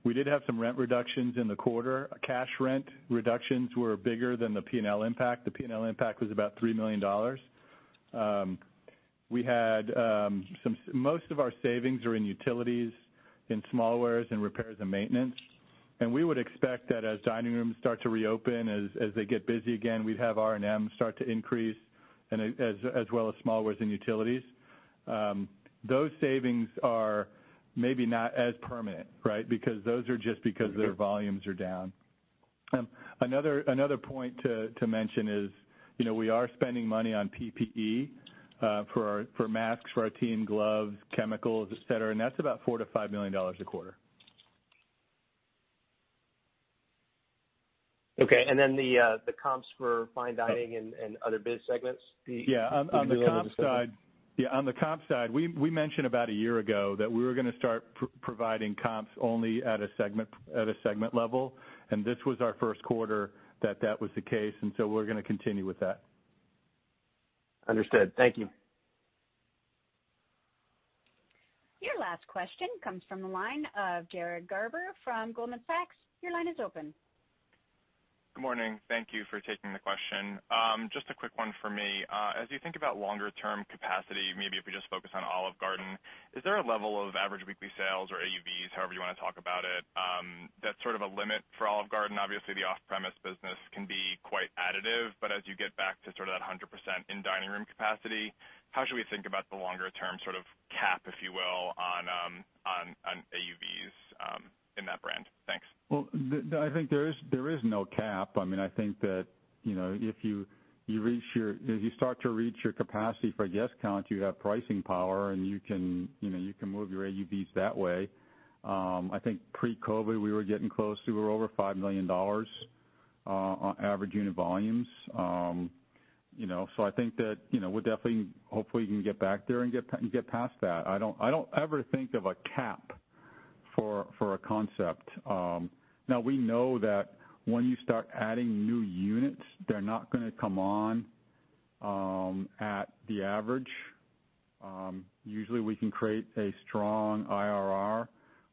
We did have some rent reductions in the quarter. Cash rent reductions were bigger than the P&L impact. The P&L impact was about $3 million. Most of our savings are in utilities, in small wares, in repairs, and maintenance. We would expect that as dining rooms start to reopen, as they get busy again, we'd have R&M start to increase, as well as small wares and utilities. Those savings are maybe not as permanent, right? Because those are just because their volumes are down. Another point to mention is we are spending money on PPE for masks for our team, gloves, chemicals, etc. That's about $4-$5 million a quarter. Okay. And then the comps for fine dining and other business segments? Yeah. On the comp side, we mentioned about a year ago that we were going to start providing comps only at a segment level. This was our first quarter that that was the case. We are going to continue with that. Understood. Thank you. Your last question comes from the line of Jared Garber from Goldman Sachs. Your line is open. Good morning. Thank you for taking the question. Just a quick one for me. As you think about longer-term capacity, maybe if we just focus on Olive Garden, is there a level of average weekly sales or AUVs, however you want to talk about it, that's sort of a limit for Olive Garden? Obviously, the off-premise business can be quite additive. As you get back to sort of that 100% in dining room capacity, how should we think about the longer-term sort of cap, if you will, on AUVs in that brand? Thanks. I think there is no cap. I mean, I think that if you reach your—if you start to reach your capacity for guest count, you have pricing power, and you can move your AUVs that way. I think pre-COVID, we were getting close to over $5 million on average unit volumes. I think that we are definitely, hopefully, going to get back there and get past that. I do not ever think of a cap for a concept. Now, we know that when you start adding new units, they are not going to come on at the average. Usually, we can create a strong IRR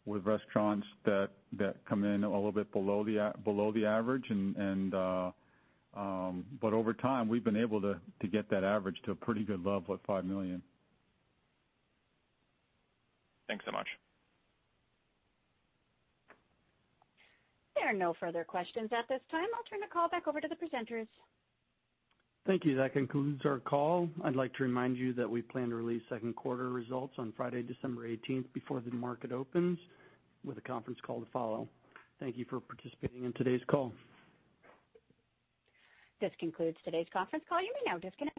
with restaurants that come in a little bit below the average. Over time, we have been able to get that average to a pretty good level at $5 million. Thanks so much. There are no further questions at this time. I'll turn the call back over to the presenters. Thank you. That concludes our call. I'd like to remind you that we plan to release second quarter results on Friday, December 18, before the market opens, with a conference call to follow. Thank you for participating in today's call. This concludes today's conference call. You may now disconnect.